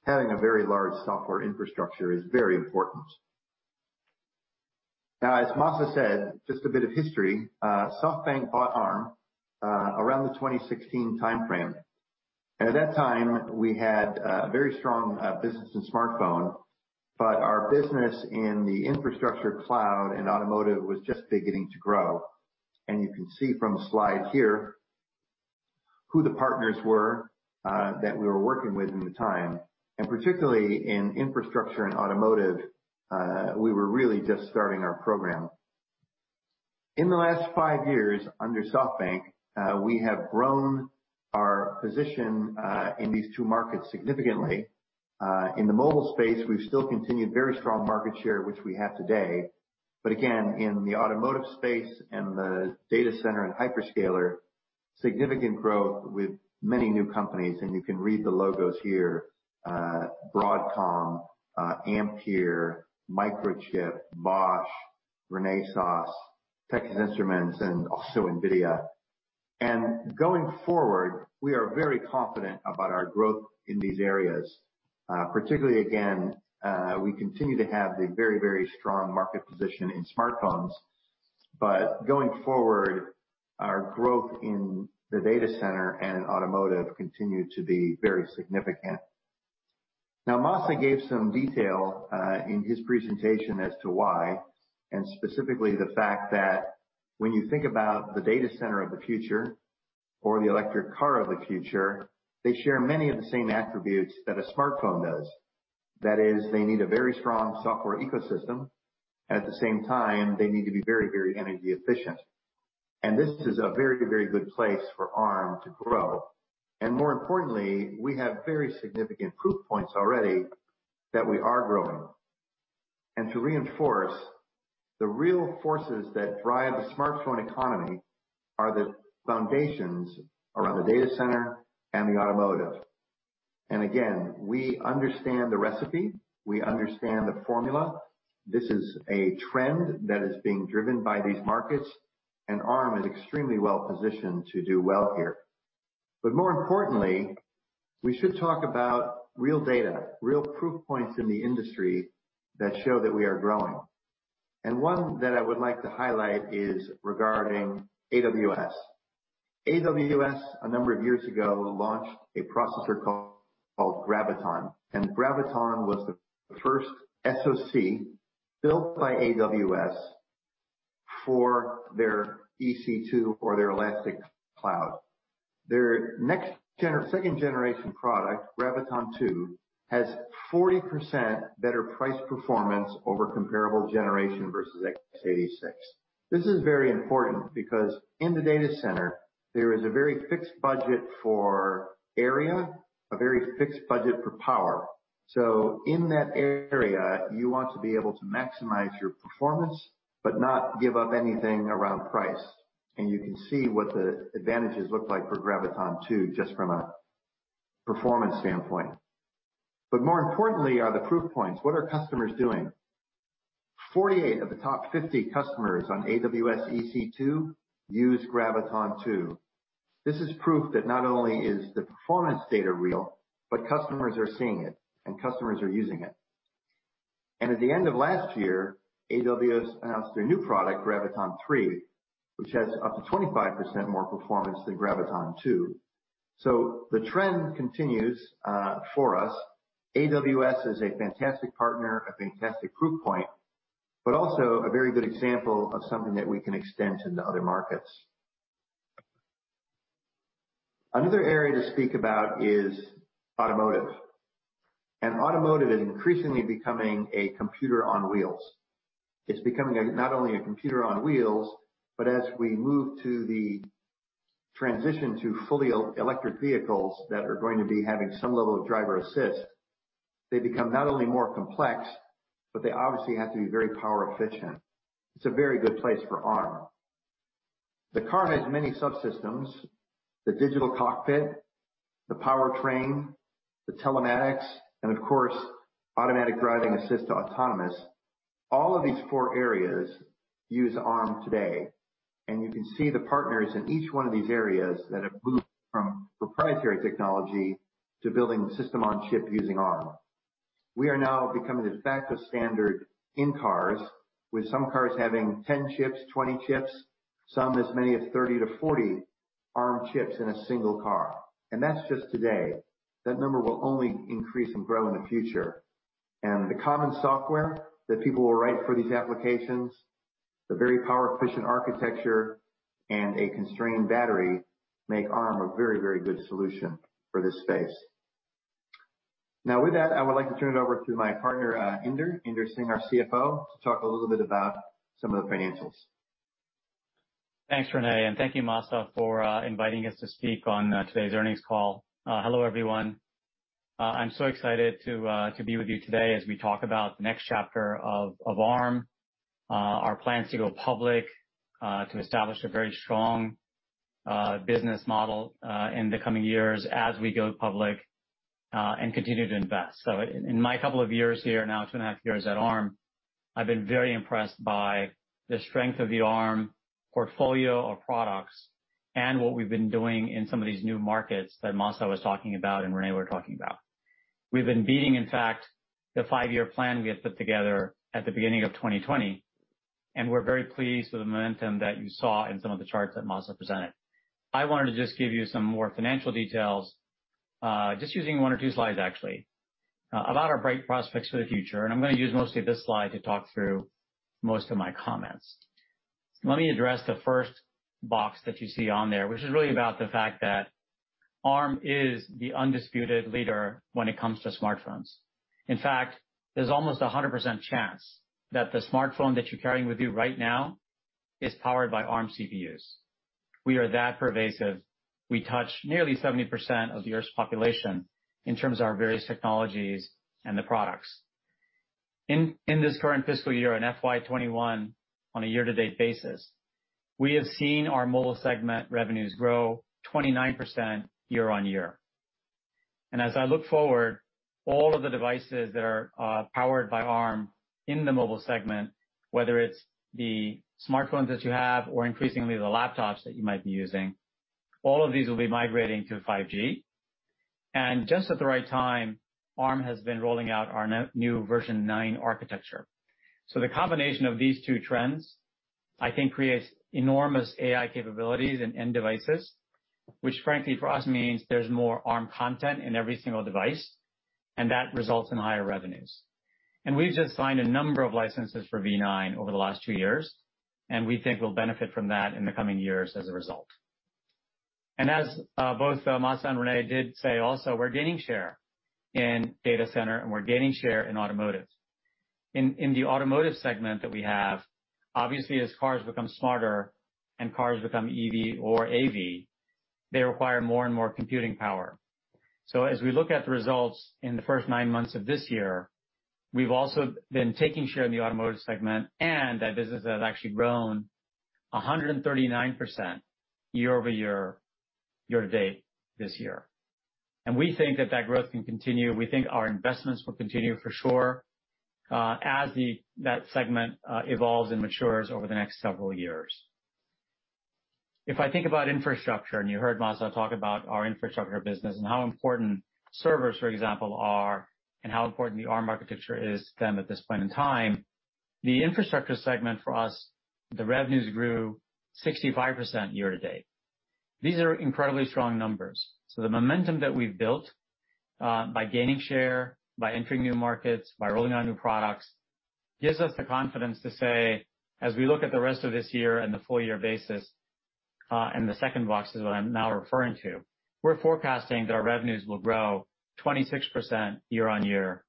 having a very large software infrastructure is very important. Now, as Masa said, just a bit of history, SoftBank bought Arm, around the 2016 timeframe. At that time, we had a very strong, business in smartphone, but our business in the infrastructure cloud and automotive was just beginning to grow. You can see from the slide here who the partners were, that we were working with in the time, and particularly in infrastructure and automotive, we were really just starting our program. In the last five years under SoftBank, we have grown our position in these two markets significantly. In the mobile space, we've still continued very strong market share, which we have today. Again, in the automotive space and the data center and hyperscaler, significant growth with many new companies, and you can read the logos here, Broadcom, Ampere, Microchip, Bosch, Renesas, Texas Instruments, and also NVIDIA. Going forward, we are very confident about our growth in these areas, particularly again, we continue to have the very, very strong market position in smartphones, but going forward, our growth in the data center and automotive continue to be very significant. Now, Masa gave some detail in his presentation as to why, and specifically the fact that when you think about the data center of the future or the electric car of the future, they share many of the same attributes that a smartphone does. That is, they need a very strong software ecosystem. At the same time, they need to be very, very energy efficient. This is a very, very good place for Arm to grow. More importantly, we have very significant proof points already that we are growing. To reinforce the real forces that drive the smartphone economy are the foundations around the data center and the automotive. Again, we understand the recipe, we understand the formula. This is a trend that is being driven by these markets, and Arm is extremely well-positioned to do well here. More importantly, we should talk about real data, real proof points in the industry that show that we are growing. One that I would like to highlight is regarding AWS. AWS, a number of years ago, launched a processor called Graviton, and Graviton was the first SoC built by AWS for their EC2 or their elastic cloud. Their second generation product, Graviton2, has 40% better price performance over comparable generation versus x86. This is very important because in the data center, there is a very fixed budget for area, a very fixed budget for power. In that area, you want to be able to maximize your performance but not give up anything around price. You can see what the advantages look like for Graviton2 just from a performance standpoint. More importantly are the proof points. What are customers doing? 48 of the top 50 customers on AWS EC2 use Graviton2. This is proof that not only is the performance data real, but customers are seeing it and customers are using it. At the end of last year, AWS announced their new product, Graviton3, which has up to 25% more performance than Graviton2. The trend continues, for us. AWS is a fantastic partner, a fantastic proof point, but also a very good example of something that we can extend into other markets. Another area to speak about is automotive, and automotive is increasingly becoming a computer on wheels. It's becoming not only a computer on wheels, but as we move to the transition to fully electric vehicles that are going to be having some level of driver assist, they become not only more complex, but they obviously have to be very power efficient. It's a very good place for Arm. The car has many subsystems, the digital cockpit, the powertrain, the telematics, and of course, automatic driving assist autonomous. All of these four areas use Arm today, and you can see the partners in each one of these areas that have moved from proprietary technology to building system-on-chip using Arm. We are now becoming a de facto standard in cars, with some cars having 10 chips, 20 chips, some as many as 30-40 Arm chips in a single car. That's just today. That number will only increase and grow in the future. The common software that people will write for these applications, the very power-efficient architecture and a constrained battery make Arm a very, very good solution for this space. Now, with that, I would like to turn it over to my partner, Inder Singh, our CFO, to talk a little bit about some of the financials. Thanks, Rene, and thank you, Masa, for inviting us to speak on today's earnings call. Hello, everyone. I'm so excited to be with you today as we talk about the next chapter of Arm, our plans to go public, to establish a very strong business model in the coming years as we go public, and continue to invest. In my couple of years here, now two and a half years at Arm, I've been very impressed by the strength of the Arm portfolio of products and what we've been doing in some of these new markets that Masa was talking about and Rene were talking about. We've been beating, in fact, the 5-year plan we had put together at the beginning of 2020, and we're very pleased with the momentum that you saw in some of the charts that Masa presented. I wanted to just give you some more financial details, just using 1 or 2 slides actually, about our bright prospects for the future, and I'm gonna use mostly this slide to talk through most of my comments. Let me address the first box that you see on there, which is really about the fact that Arm is the undisputed leader when it comes to smartphones. In fact, there's almost a 100% chance that the smartphone that you're carrying with you right now is powered by Arm CPUs. We are that pervasive. We touch nearly 70% of the Earth's population in terms of our various technologies and the products. In this current fiscal year, in FY 2021, on a year-to-date basis, we have seen our mobile segment revenues grow 29% year-on-year. As I look forward, all of the devices that are powered by Arm in the mobile segment, whether it's the smartphones that you have or increasingly the laptops that you might be using, all of these will be migrating to 5G. Just at the right time, Arm has been rolling out our new version nine architecture. The combination of these two trends, I think, creates enormous AI capabilities in end devices, which frankly for us means there's more Arm content in every single device, and that results in higher revenues. We've just signed a number of licenses for V9 over the last two years, and we think we'll benefit from that in the coming years as a result. As both Masa and Rene did say also, we're gaining share in data center, and we're gaining share in automotive. In the automotive segment that we have, obviously, as cars become smarter and cars become EV or AV, they require more and more computing power. As we look at the results in the first nine months of this year, we've also been taking share in the automotive segment and that business has actually grown 139% year-over-year, year to date this year. We think that that growth can continue. We think our investments will continue for sure, as that segment evolves and matures over the next several years. If I think about infrastructure, and you heard Masa talk about our infrastructure business and how important servers, for example, are, and how important the Arm architecture is then at this point in time, the infrastructure segment for us, the revenues grew 65% year to date. These are incredibly strong numbers. The momentum that we've built by gaining share, by entering new markets, by rolling out new products, gives us the confidence to say, as we look at the rest of this year and the full-year basis, and the second box is what I'm now referring to, we're forecasting that our revenues will grow 26% year-on-year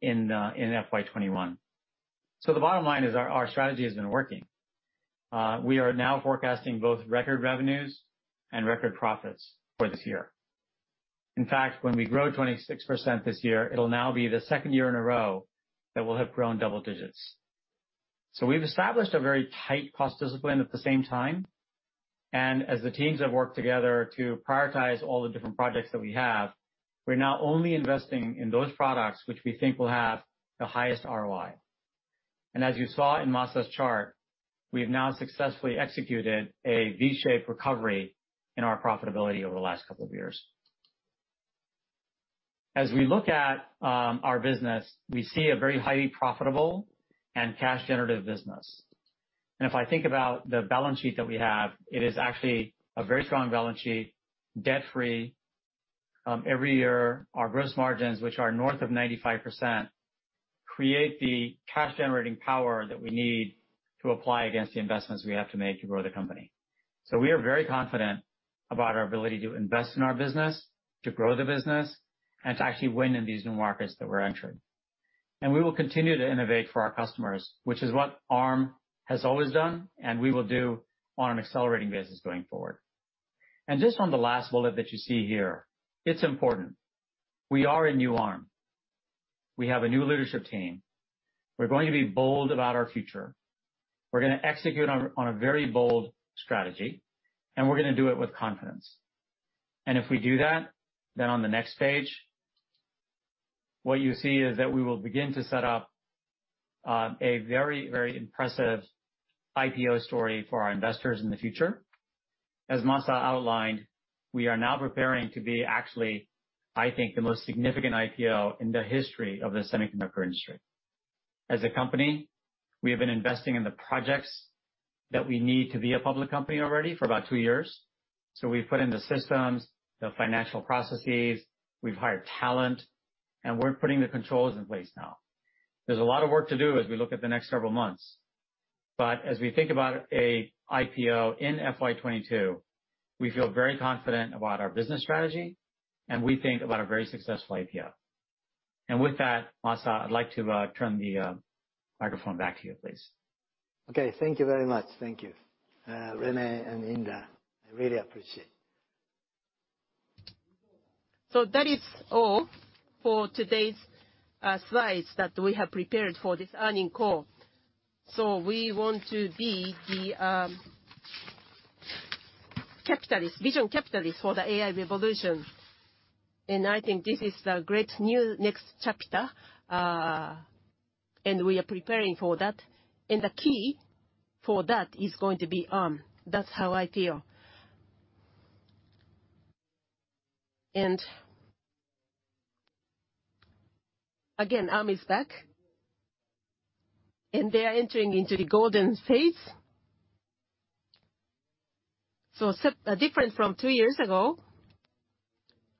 in FY 2021. The bottom line is our strategy has been working. We are now forecasting both record revenues and record profits for this year. In fact, when we grow 26% this year, it'll now be the second year in a row that we'll have grown double digits. We've established a very tight cost discipline at the same time, and as the teams have worked together to prioritize all the different projects that we have, we're now only investing in those products which we think will have the highest ROI. As you saw in Masa's chart, we have now successfully executed a V-shaped recovery in our profitability over the last couple of years. As we look at our business, we see a very highly profitable and cash generative business. If I think about the balance sheet that we have, it is actually a very strong balance sheet, debt-free. Every year, our gross margins, which are north of 95%, create the cash-generating power that we need to apply against the investments we have to make to grow the company. We are very confident about our ability to invest in our business, to grow the business, and to actually win in these new markets that we're entering. We will continue to innovate for our customers, which is what Arm has always done, and we will do on an accelerating basis going forward. Just on the last bullet that you see here, it's important. We are a new Arm. We have a new leadership team. We're going to be bold about our future. We're gonna execute on a very bold strategy, and we're gonna do it with confidence. If we do that, then on the next page, what you see is that we will begin to set up a very, very impressive IPO story for our investors in the future. As Masa outlined, we are now preparing to be actually, I think, the most significant IPO in the history of the semiconductor industry. As a company, we have been investing in the projects that we need to be a public company already for about two years. We've put in the systems, the financial processes, we've hired talent, and we're putting the controls in place now. There's a lot of work to do as we look at the next several months. As we think about an IPO in FY 2022, we feel very confident about our business strategy, and we think about a very successful IPO. With that, Masa, I'd like to turn the microphone back to you, please. Okay. Thank you very much. Thank you, Rene Haas and Inder Singh. I really appreciate. That is all for today's slides that we have prepared for this earnings call. We want to be the capitalist, vision capitalist for the AI revolution, and I think this is the great new next chapter, and we are preparing for that. The key for that is going to be Arm, that's how I feel. Again, Arm is back, and they are entering into the golden phase. Different from two years ago,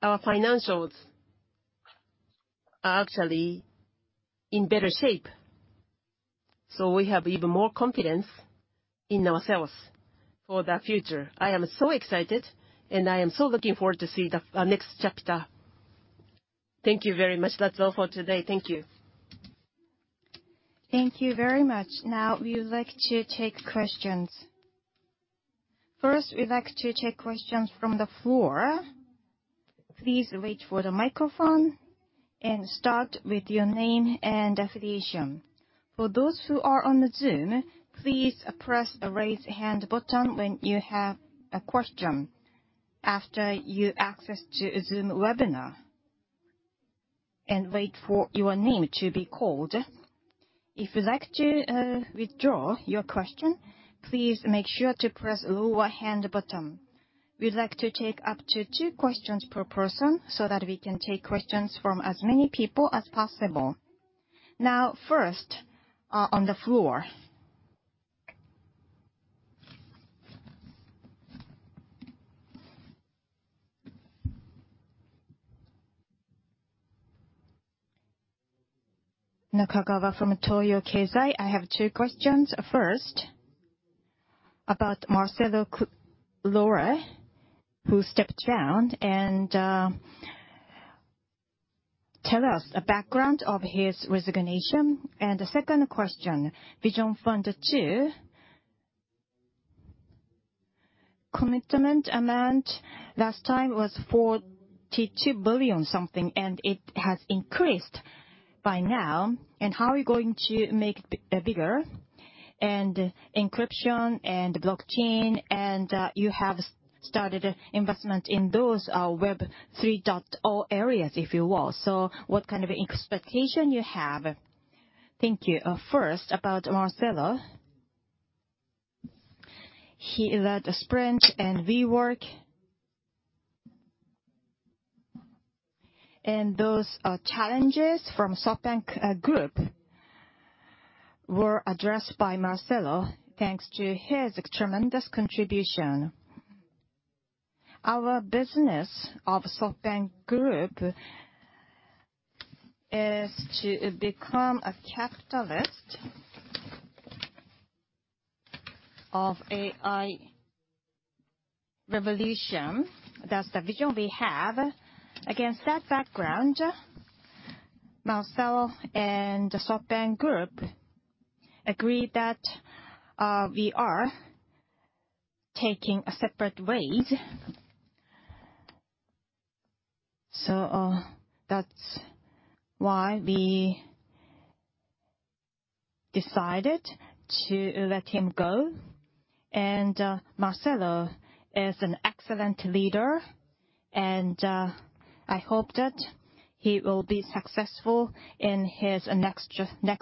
our financials are actually in better shape, so we have even more confidence in ourselves for the future. I am so excited, and I am so looking forward to see the next chapter. Thank you very much. That's all for today. Thank you. Thank you very much. Now we would like to take questions. First, we'd like to take questions from the floor. Please wait for the microphone and start with your name and affiliation. For those who are on the Zoom, please press the Raise Hand button when you have a question after you access to Zoom webinar, and wait for your name to be called. If you'd like to withdraw your question, please make sure to press Lower Hand button. We'd like to take up to two questions per person so that we can take questions from as many people as possible. Now first on the floor. Nakagawa from Toyo Keizai, I have two questions. First, about Marcelo Claure, who stepped down, and tell us a background of his resignation. The second question, Vision Fund II commitment amount last time was $42 billion something, and it has increased by now. How are we going to make bigger? Encryption and blockchain and you have started investment in those Web 3.0 areas, if you will. What kind of expectation you have? Thank you. First, about Marcelo. He led Sprint and WeWork, and those challenges from SoftBank Group were addressed by Marcelo thanks to his tremendous contribution. Our business of SoftBank Group is to become a capitalist of AI revolution. That's the vision we have. Against that background, Marcelo and the SoftBank Group agreed that we are taking separate ways. That's why we decided to let him go. Marcelo is an excellent leader, and I hope that he will be successful in his next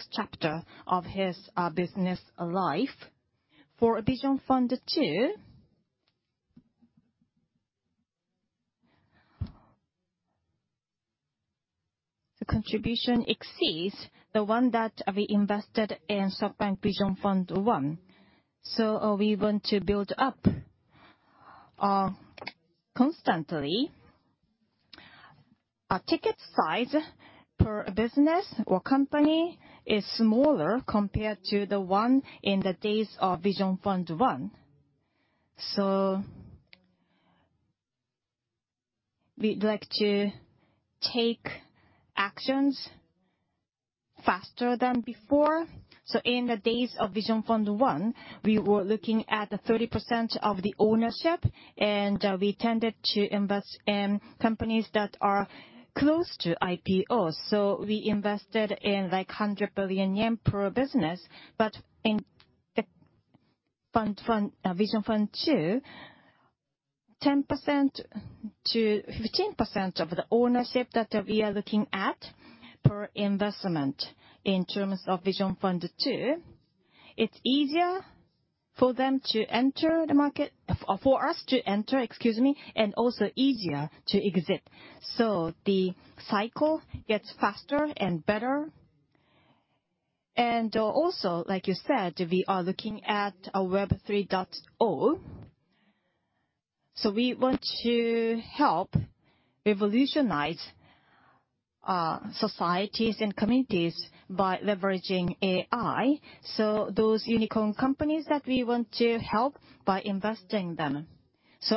chapter of his business life. For SoftBank Vision Fund 2, the contribution exceeds the one that we invested in SoftBank Vision Fund 1. We want to build up constantly. Our ticket size per business or company is smaller compared to the one in the days of Vision Fund I. We'd like to take actions faster than before. In the days of Vision Fund I, we were looking at 30% of the ownership, and we tended to invest in companies that are close to IPOs. We invested in, like, 100 billion yen per business. In Vision Fund II, 10%-15% of the ownership that we are looking at per investment in terms of Vision Fund II, it's easier for them to enter the market, for us to enter, excuse me, and also easier to exit. The cycle gets faster and better. also, like you said, we are looking at Web 3.0, so we want to help revolutionize societies and communities by leveraging AI, so those unicorn companies that we want to help by investing them.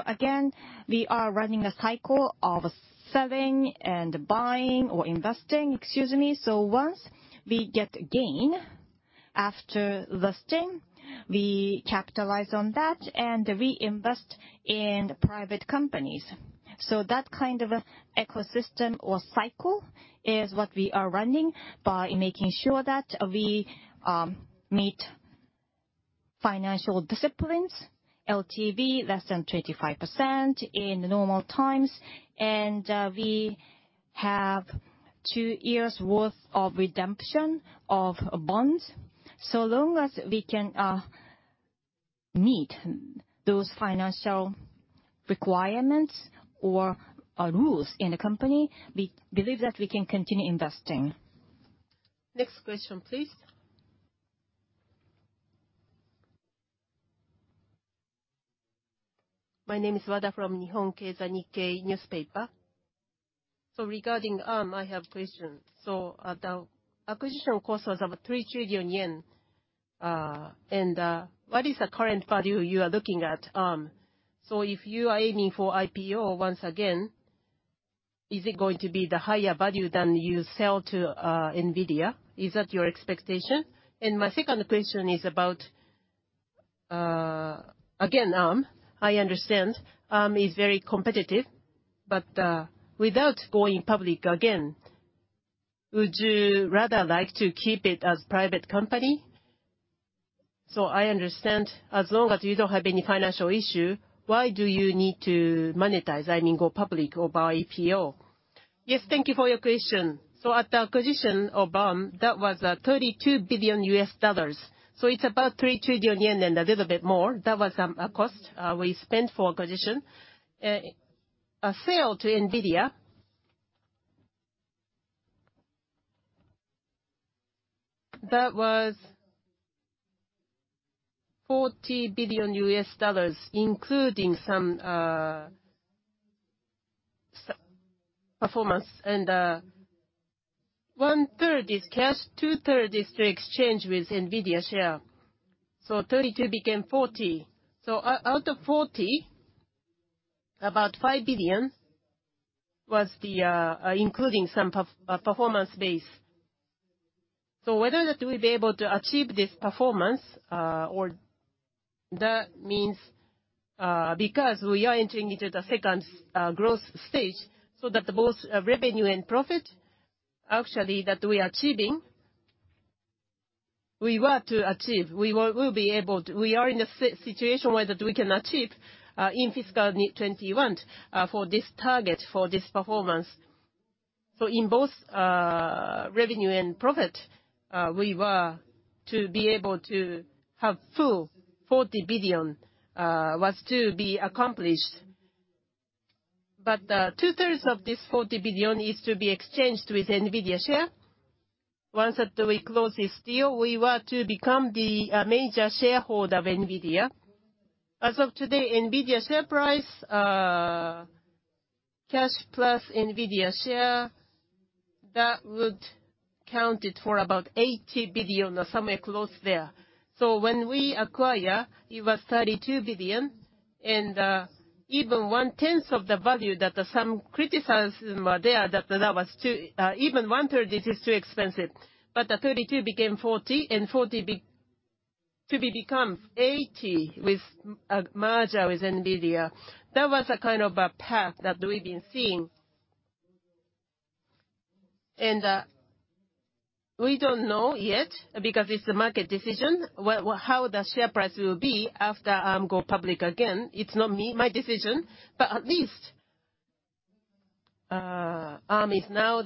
Again, we are running a cycle of selling and buying or investing, excuse me. Once we get gain after listing, we capitalize on that and we invest in private companies. That kind of ecosystem or cycle is what we are running by making sure that we meet financial disciplines, LTV less than 25% in normal times. We have two years' worth of redemption of bonds. So long as we can meet those financial requirements or rules in the company, we believe that we can continue investing. Next question, please. My name is Wada from Nihon Keizai Shimbun, Nikkei newspaper. Regarding Arm, I have questions. The acquisition cost was 3 trillion yen. And what is the current value you are looking at Arm? If you are aiming for IPO once again, is it going to be the higher value than you sold to NVIDIA? Is that your expectation? My second question is about again, Arm. I understand Arm is very competitive, but without going public again, would you rather like to keep it as private company? I understand as long as you don't have any financial issue, why do you need to monetize, I mean, go public or by IPO? Yes. Thank you for your question. At the acquisition of Arm, that was $32 billion, so it's about 3 trillion yen and a little bit more. That was a cost we spent for acquisition. A sale to NVIDIA, that was $40 billion, including some performance. 1/3 is cash,2/3 is to exchange with NVIDIA share. $32 billlion became $40 billion. Out of $40 billion, about $5 billion was the including some performance base. Whether that we'll be able to achieve this performance or that means because we are entering into the second growth stage, so that both revenue and profit actually that we are achieving, we were to achieve. We will be able to. We are in a situation where that we can achieve in fiscal 2021 for this target, for this performance. In both revenue and profit, we were to be able to have full $40 billion, was to be accomplished. 2/3 of this $40 billion is to be exchanged with NVIDIA share. Once that we close this deal, we were to become the major shareholder of NVIDIA. As of today, NVIDIA share price, cash plus NVIDIA share, that would count for about $80 billion or somewhere close there. When we acquire, it was $32 billion, and even one-tenth of the value that some criticism are there, that was too, even 1/3, it is too expensive. The $32 billion became $40 billion, and $40 billion to become $80 billion with a merger with NVIDIA. That was a kind of a path that we've been seeing. We don't know yet because it's a market decision how the share price will be after we go public again. It's not my decision, but at least Arm is now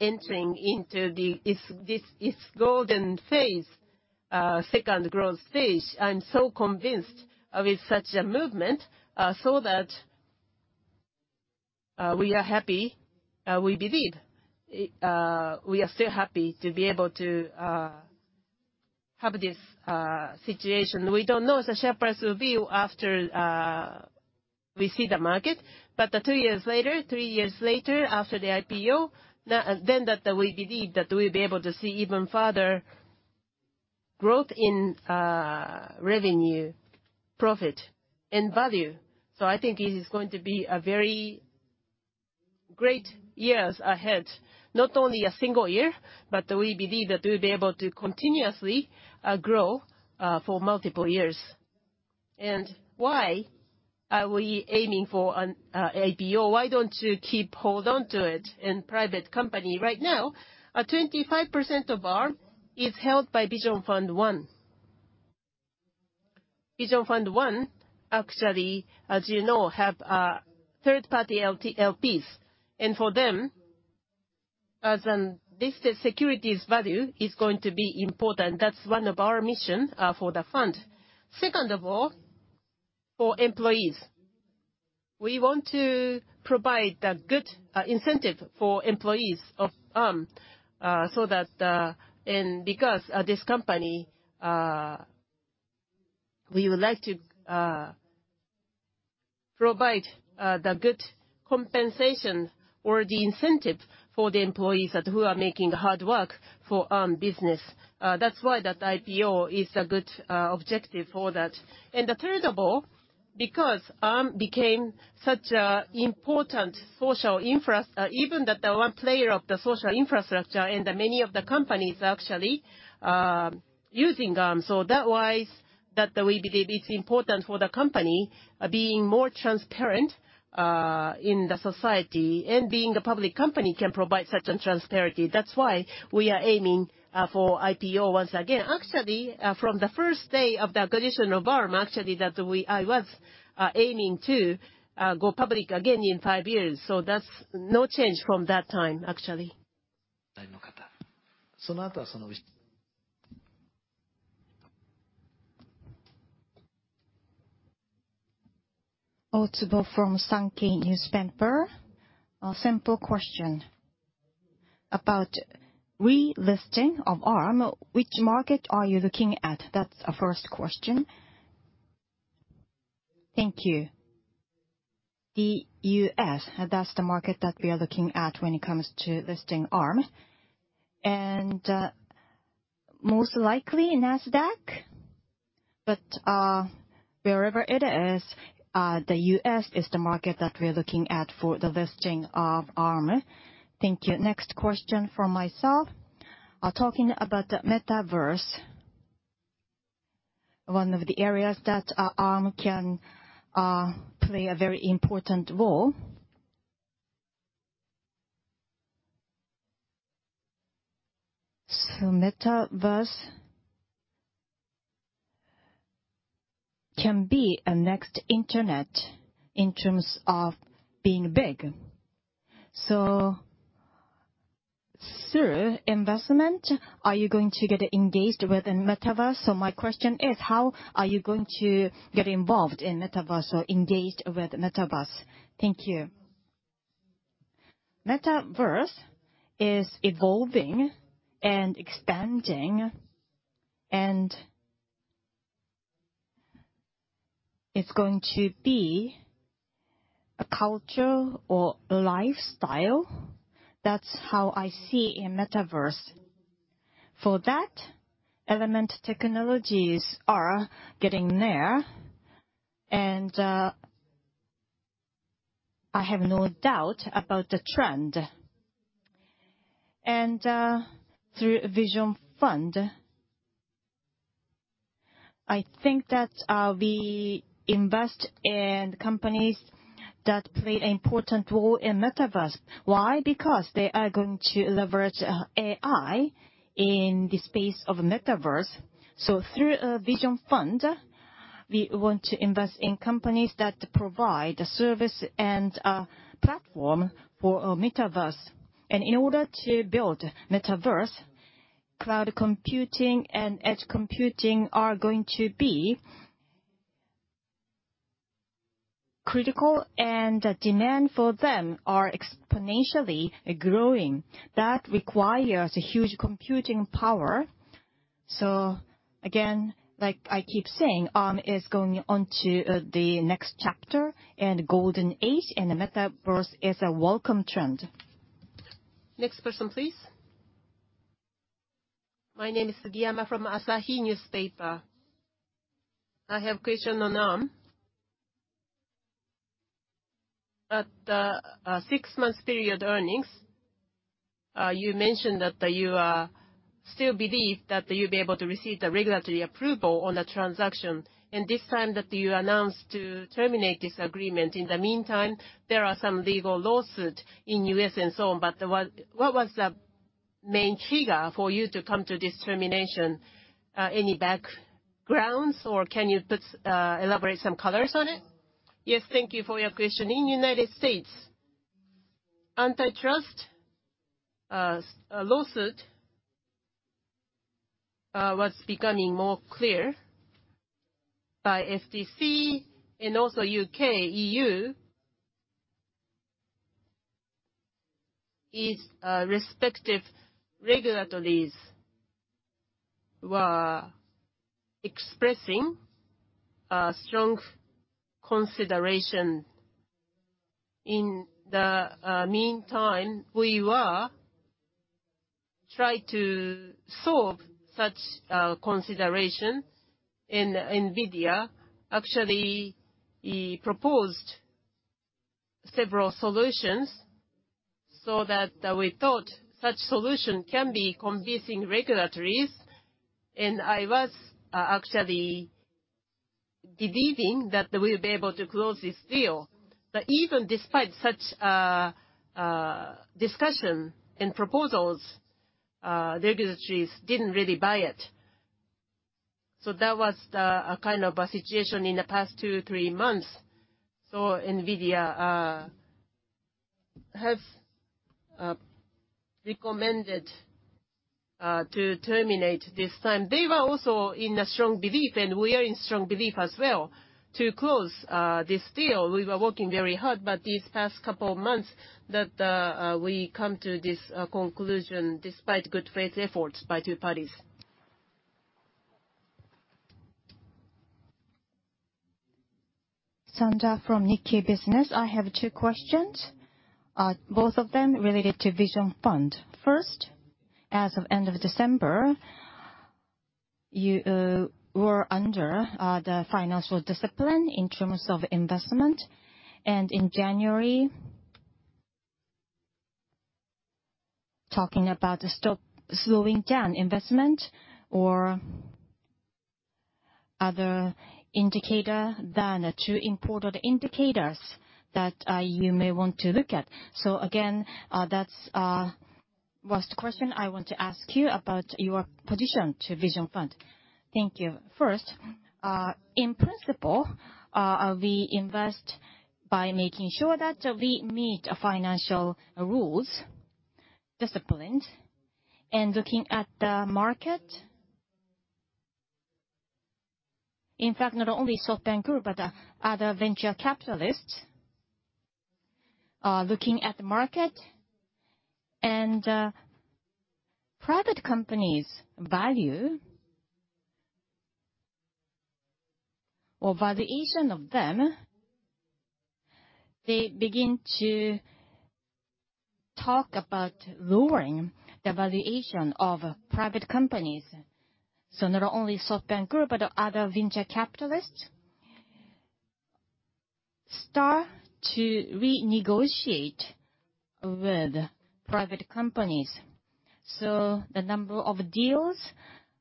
entering into its golden phase, its second growth phase. I'm so convinced with such a movement so that we are happy. We believe. We are still happy to be able to have this situation. We don't know the share price will be after we see the market, but two years later, three years later after the IPO, then we believe that we'll be able to see even further growth in revenue, profit, and value. I think it is going to be a very great years ahead, not only a single year, but we believe that we'll be able to continuously grow for multiple years. Why are we aiming for an IPO? Why don't you keep hold on to it in private company? Right now, 25% of Arm is held by Vision Fund One. Vision Fund 1, actually, as you know, have third-party LPs. For them, as a listed securities value is going to be important. That's one of our missions for the fund. Second of all, for employees, we want to provide a good incentive for employees of Arm, so that and because this company we would like to provide the good compensation or the incentive for the employees who are making hard work for business. That's why that IPO is a good objective for that. The third of all, because Arm became such an important social infrastructure, even as the one player of the social infrastructure and many of the companies actually using Arm. That's why we believe it's important for the company being more transparent in society, and being a public company can provide such transparency. That's why we are aiming for IPO once again. Actually, from the first day of the acquisition of Arm, actually I was aiming to go public again in five years. That's no change from that time, actually. Otsubo from Sankei Shimbun. A simple question. About relisting of Arm, which market are you looking at? That's a first question. Thank you. The U.S., that's the market that we are looking at when it comes to listing Arm. Most likely Nasdaq, but wherever it is, the U.S. is the market that we're looking at for the listing of Arm. Thank you. Next question from myself. Talking about the metaverse, one of the areas that Arm can play a very important role. Metaverse can be a next internet in terms of being big. Through investment, are you going to get engaged with metaverse? My question is, how are you going to get involved in metaverse or engaged with metaverse? Thank you. Metaverse is evolving and expanding, and it's going to be a culture or lifestyle. That's how I see a metaverse. For that, elemental technologies are getting there, and I have no doubt about the trend. Through Vision Fund, I think that we invest in companies that play an important role in metaverse. Why? Because they are going to leverage AI in the space of metaverse. Through a Vision Fund, we want to invest in companies that provide a service and a platform for a metaverse. In order to build metaverse, cloud computing and edge computing are going to be critical, and the demand for them are exponentially growing. That requires a huge computing power. Again, like I keep saying, Arm is going on to the next chapter and golden age, and the metaverse is a welcome trend. Next person, please. My name is Sugiyama from Asahi Newspaper. I have a question on Arm. At the six months period earnings, you mentioned that you still believe that you'll be able to receive the regulatory approval on the transaction. This time that you announced to terminate this agreement, in the meantime, there are some legal lawsuits in U.S. and so on, but what was the main trigger for you to come to this termination? Any backgrounds or can you elaborate some colors on it? Yes. Thank you for your question. In the United States, antitrust lawsuit was becoming more clear by FTC and also U.K., EU. Respective regulators were expressing a strong consideration. In the meantime, we were trying to solve such considerations, and NVIDIA actually proposed several solutions so that we thought such solution can be convincing regulators. I was actually believing that we'll be able to close this deal. Even despite such discussion and proposals, regulators didn't really buy it. That was the kind of a situation in the past 2-3 months. NVIDIA have recommended to terminate this time. They were also in a strong belief, and we are in strong belief as well to close this deal. We were working very hard, but these past couple of months that we come to this conclusion despite good faith efforts by two parties. Sandra from Nikkei Business. I have two questions, both of them related to Vision Fund. First, as of end of December, you were under the financial discipline in terms of investment. In January, talking about the stopping, slowing down investment or other indicator than the two important indicators that you may want to look at. Again, that was the question I want to ask you about your position to Vision Fund. Thank you. First, in principle, we invest by making sure that we meet financial rules, disciplines, and looking at the market. In fact, not only SoftBank Group, but other venture capitalists are looking at the market and private companies' value or valuation of them, they begin to talk about lowering the valuation of private companies. Not only SoftBank Group, but other venture capitalists start to renegotiate with private companies. The number of deals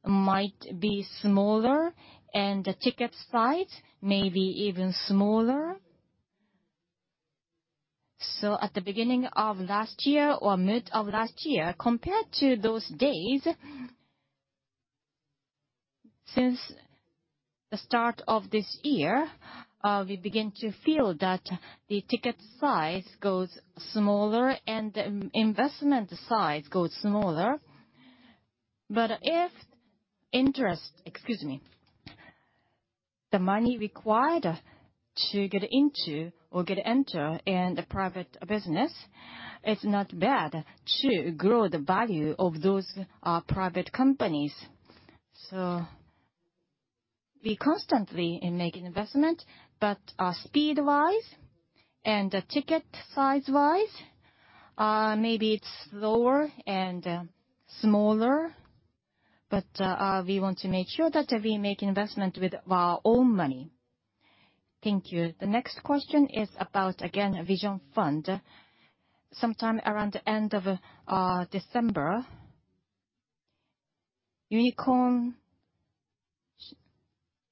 might be smaller and the ticket size may be even smaller. At the beginning of last year or mid of last year, compared to those days, since the start of this year, we begin to feel that the ticket size goes smaller and investment size goes smaller. The money required to get into the private business, it's not bad to grow the value of those private companies. We constantly make investment, but speed-wise and ticket size-wise, maybe it's lower and smaller, but we want to make sure that we make investment with our own money. Thank you. The next question is about, again, Vision Fund. Sometime around the end of December, unicorns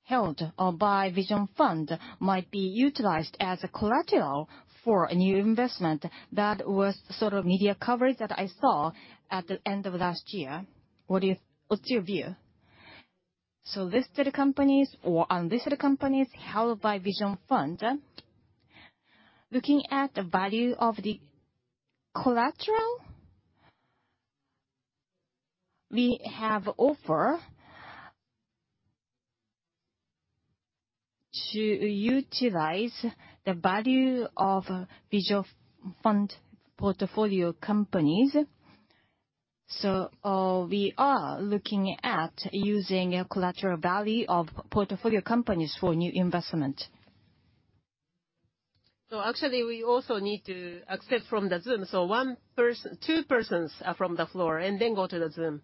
held by Vision Fund might be utilized as collateral for a new investment. That was sort of media coverage that I saw at the end of last year. What is your view? Listed companies or unlisted companies held by Vision Fund, looking at the value of the collateral, we have offers to utilize the value of Vision Fund portfolio companies. We are looking at using the collateral value of portfolio companies for new investment. Actually, we also need to accept from the Zoom. One person, two persons from the floor and then go to the Zoom.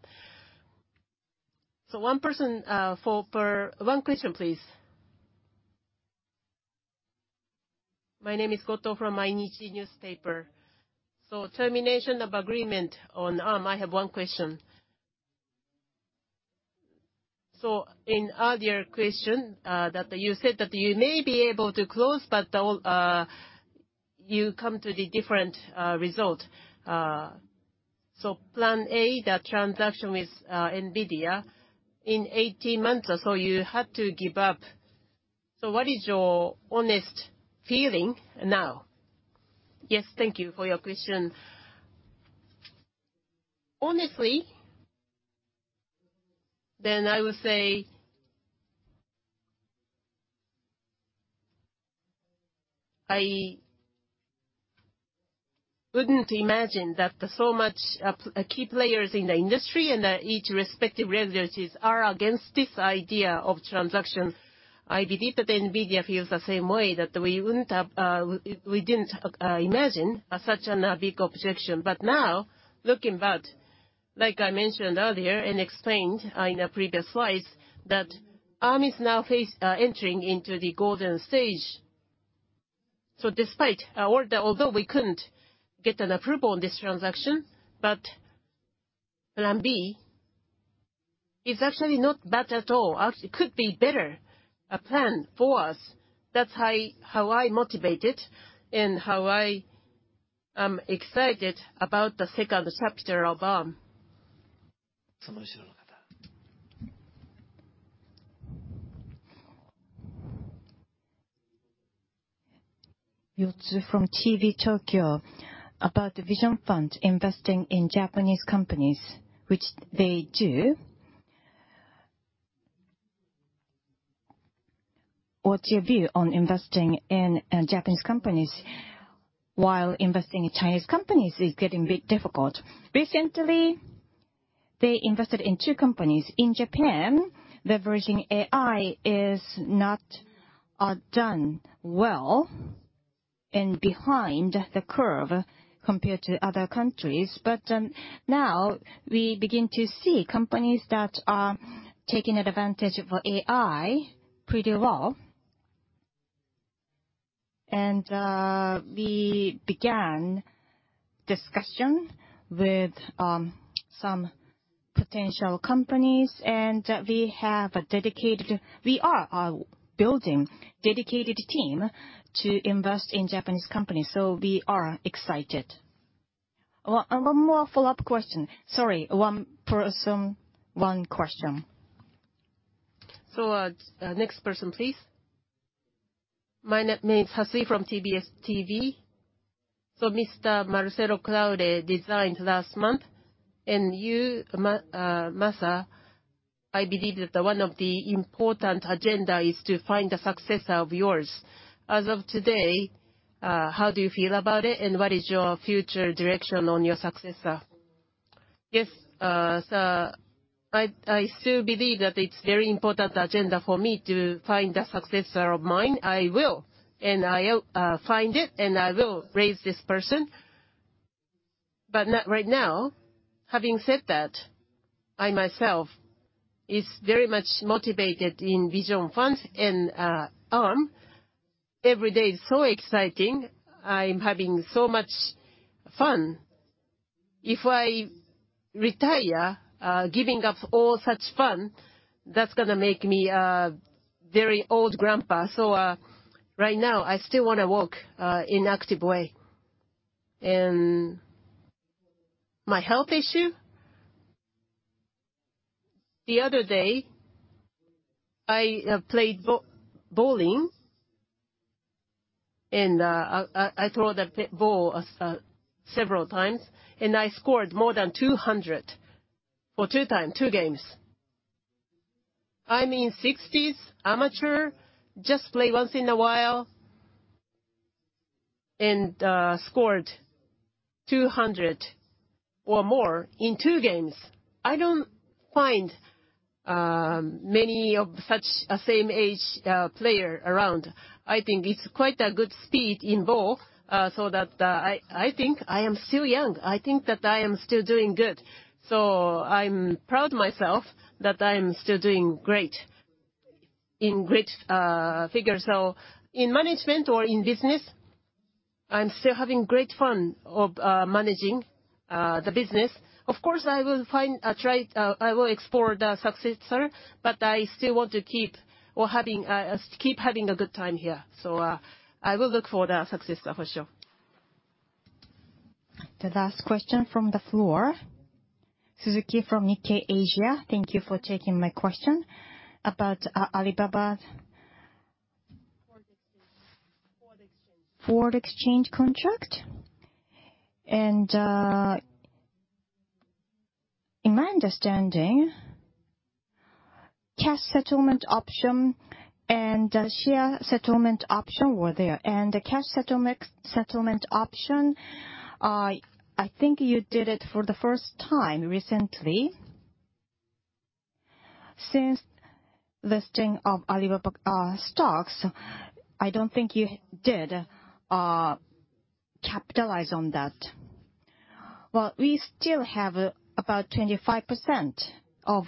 One person, for one question, please. My name is Goto from Mainichi Newspaper. Termination of agreement on Arm, I have one question. In earlier question, that you said that you may be able to close, but you come to the different result. Plan A, the transaction with NVIDIA in 18 months or so, you had to give up. What is your honest feeling now? Yes. Thank you for your question. Honestly, I would say I wouldn't imagine that so much key players in the industry and each respective regulators are against this idea of transaction. I believe that NVIDIA feels the same way, that we wouldn't have, we didn't imagine such a big objection. Now, looking back, like I mentioned earlier and explained in the previous slides, that Arm is now entering into the golden stage. Despite or although we couldn't get an approval on this transaction, but Plan B is actually not bad at all. Actually, could be better plan for us. That's how I motivated and how I am excited about the second chapter of Arm. Yotsu from TV Tokyo. About the Vision Fund investing in Japanese companies, which they do. What's your view on investing in Japanese companies While investing in Chinese companies is getting a bit difficult. Recently, they invested in two companies in Japan. Leveraging AI is not done well and behind the curve compared to other countries. Now we begin to see companies that are taking advantage of AI pretty well. We began discussion with some potential companies, and we are building a dedicated team to invest in Japanese companies, so we are excited. One more follow-up question. Sorry, one person, one question. Next person, please. My name is Hase from TBS TV. Mr. Marcelo Claure resigned last month, and you, Masa, I believe that one of the important agenda is to find a successor of yours. As of today, how do you feel about it, and what is your future direction on your successor? Yes. I still believe that it's very important agenda for me to find a successor of mine. I will find it, and I will raise this person. But not right now. Having said that, I myself is very much motivated in Vision Fund and Arm. Every day is so exciting. I'm having so much fun. If I retire, giving up all such fun, that's gonna make me a very old grandpa. Right now, I still wanna work in active way. My health issue, the other day, I played bowling, and I throw the ball several times, and I scored more than 200 for two times, 2 games. I'm in 60s, amateur, just play once in a while and scored 200 or more in 2 games. I don't find many of such same age player around. I think it's quite a good speed in bowl, so that I think I am still young. I think that I am still doing good. I'm proud of myself that I am still doing great, in great figure. In management or in business, I'm still having great fun of managing the business. Of course, I will explore the successor, but I still want to keep having a good time here. So, I will look for the successor for sure. The last question from the floor. Suzuki from Nikkei Asia. Thank you for taking my question. About Alibaba's forward exchange contract. In my understanding, cash settlement option and share settlement option were there. The cash settlement option, I think you did it for the first time recently. Since listing of Alibaba stocks, I don't think you did capitalize on that. Well, we still have about 25% of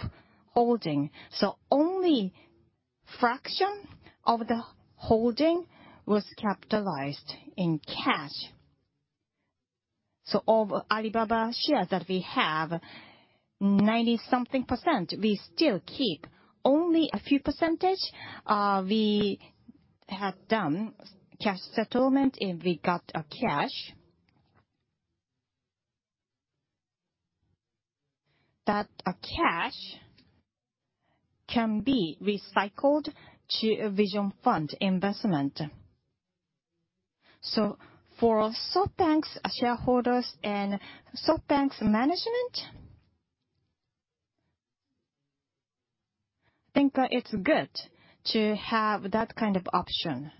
holding, so only fraction of the holding was capitalized in cash. Of Alibaba shares that we have, 90-something% we still keep. Only a few percentage, we have done cash settlement, and we got a cash. That, cash can be recycled to a Vision Fund investment. For SoftBank's shareholders and SoftBank's management, I think, it's good to have that kind of option.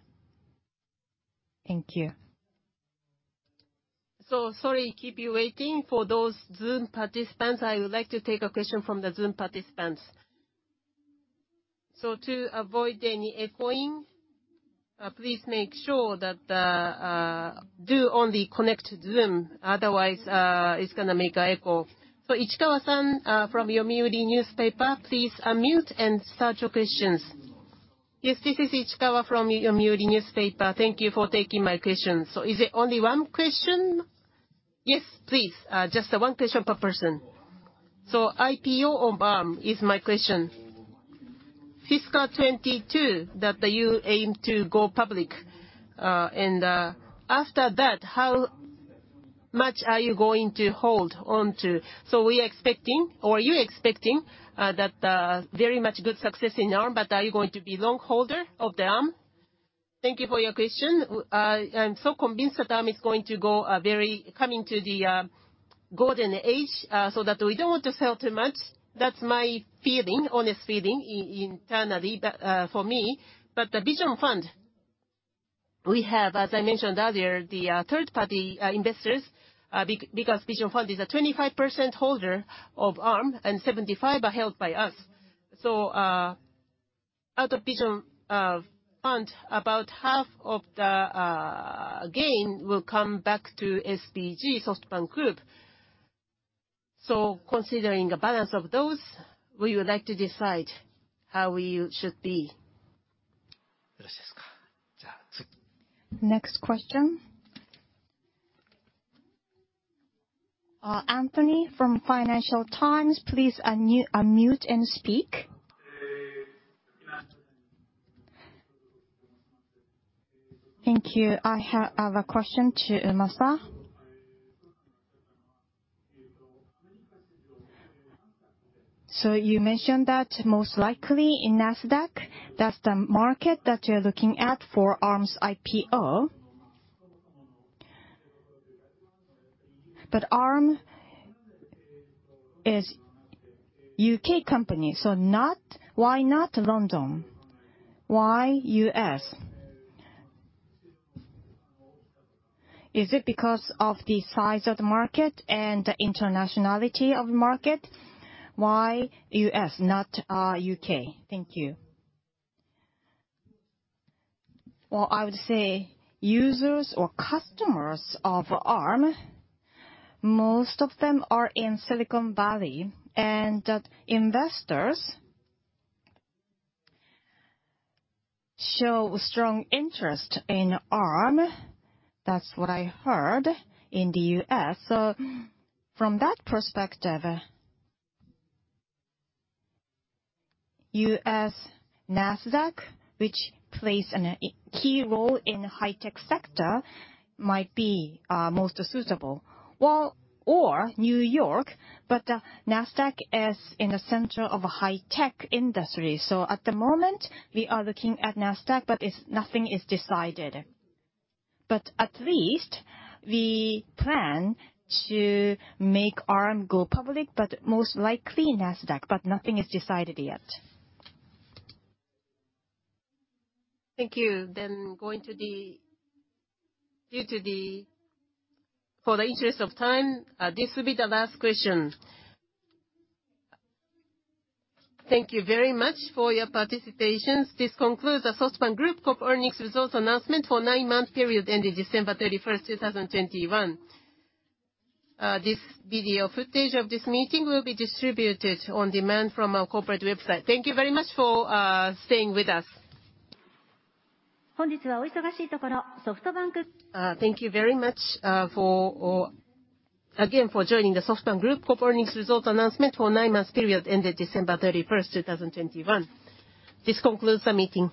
Thank you. Sorry to keep you waiting. For those Zoom participants, I would like to take a question from the Zoom participants. To avoid any echoing, please make sure that you only connect to Zoom. Otherwise, it's gonna make an echo. Ichikawa-san from Yomiuri Shimbun, please unmute and start your questions. Yes, this is Ichikawa from Yomiuri Shimbun. Thank you for taking my question. Is it only one question? Yes, please. Just one question per person. IPO on Arm is my question. Fiscal 2022 that you aim to go public, and after that, how much are you going to hold on to? We are expecting, or you're expecting, that very much good success in Arm, but are you going to be long holder of Arm? Thank you for your question. I'm so convinced that Arm is coming to the golden age, so that we don't want to sell too much. That's my feeling, honest feeling internally, for me. The Vision Fund, we have, as I mentioned earlier, third party investors because Vision Fund is a 25% holder of Arm and 75% are held by us. Out of Vision Fund, about half of the gain will come back to SBG, SoftBank Group. Considering the balance of those, we would like to decide how we should be. Next question. Anthony from Financial Times, please unmute and speak. Thank you. I have a question to Masa. You mentioned that most likely in Nasdaq, that's the market that you're looking at for Arm's IPO. Arm is U.K. company, so not, why not London? Why U.S.? Is it because of the size of the market and the internationality of the market? Why U.S., not, U.K.? Thank you. I would say users or customers of Arm, most of them are in Silicon Valley, and that investors show strong interest in Arm, that's what I heard, in the U.S. From that perspective, U.S. Nasdaq, which plays a key role in the high-tech sector, might be most suitable. Or New York, but, Nasdaq is in the center of a high-tech industry. At the moment, we are looking at Nasdaq, but it's, nothing is decided. At least we plan to make Arm go public, but most likely Nasdaq, but nothing is decided yet. Thank you. In the interest of time, this will be the last question. Thank you very much for your participation. This concludes the SoftBank Group Corp. earnings results announcement for the 9-month period ending December 31, 2021. This video footage of this meeting will be distributed on demand from our corporate website. Thank you very much for staying with us. Thank you very much again for joining the SoftBank Group Corp. earnings results announcement for the 9-month period ended December 31, 2021. This concludes the meeting.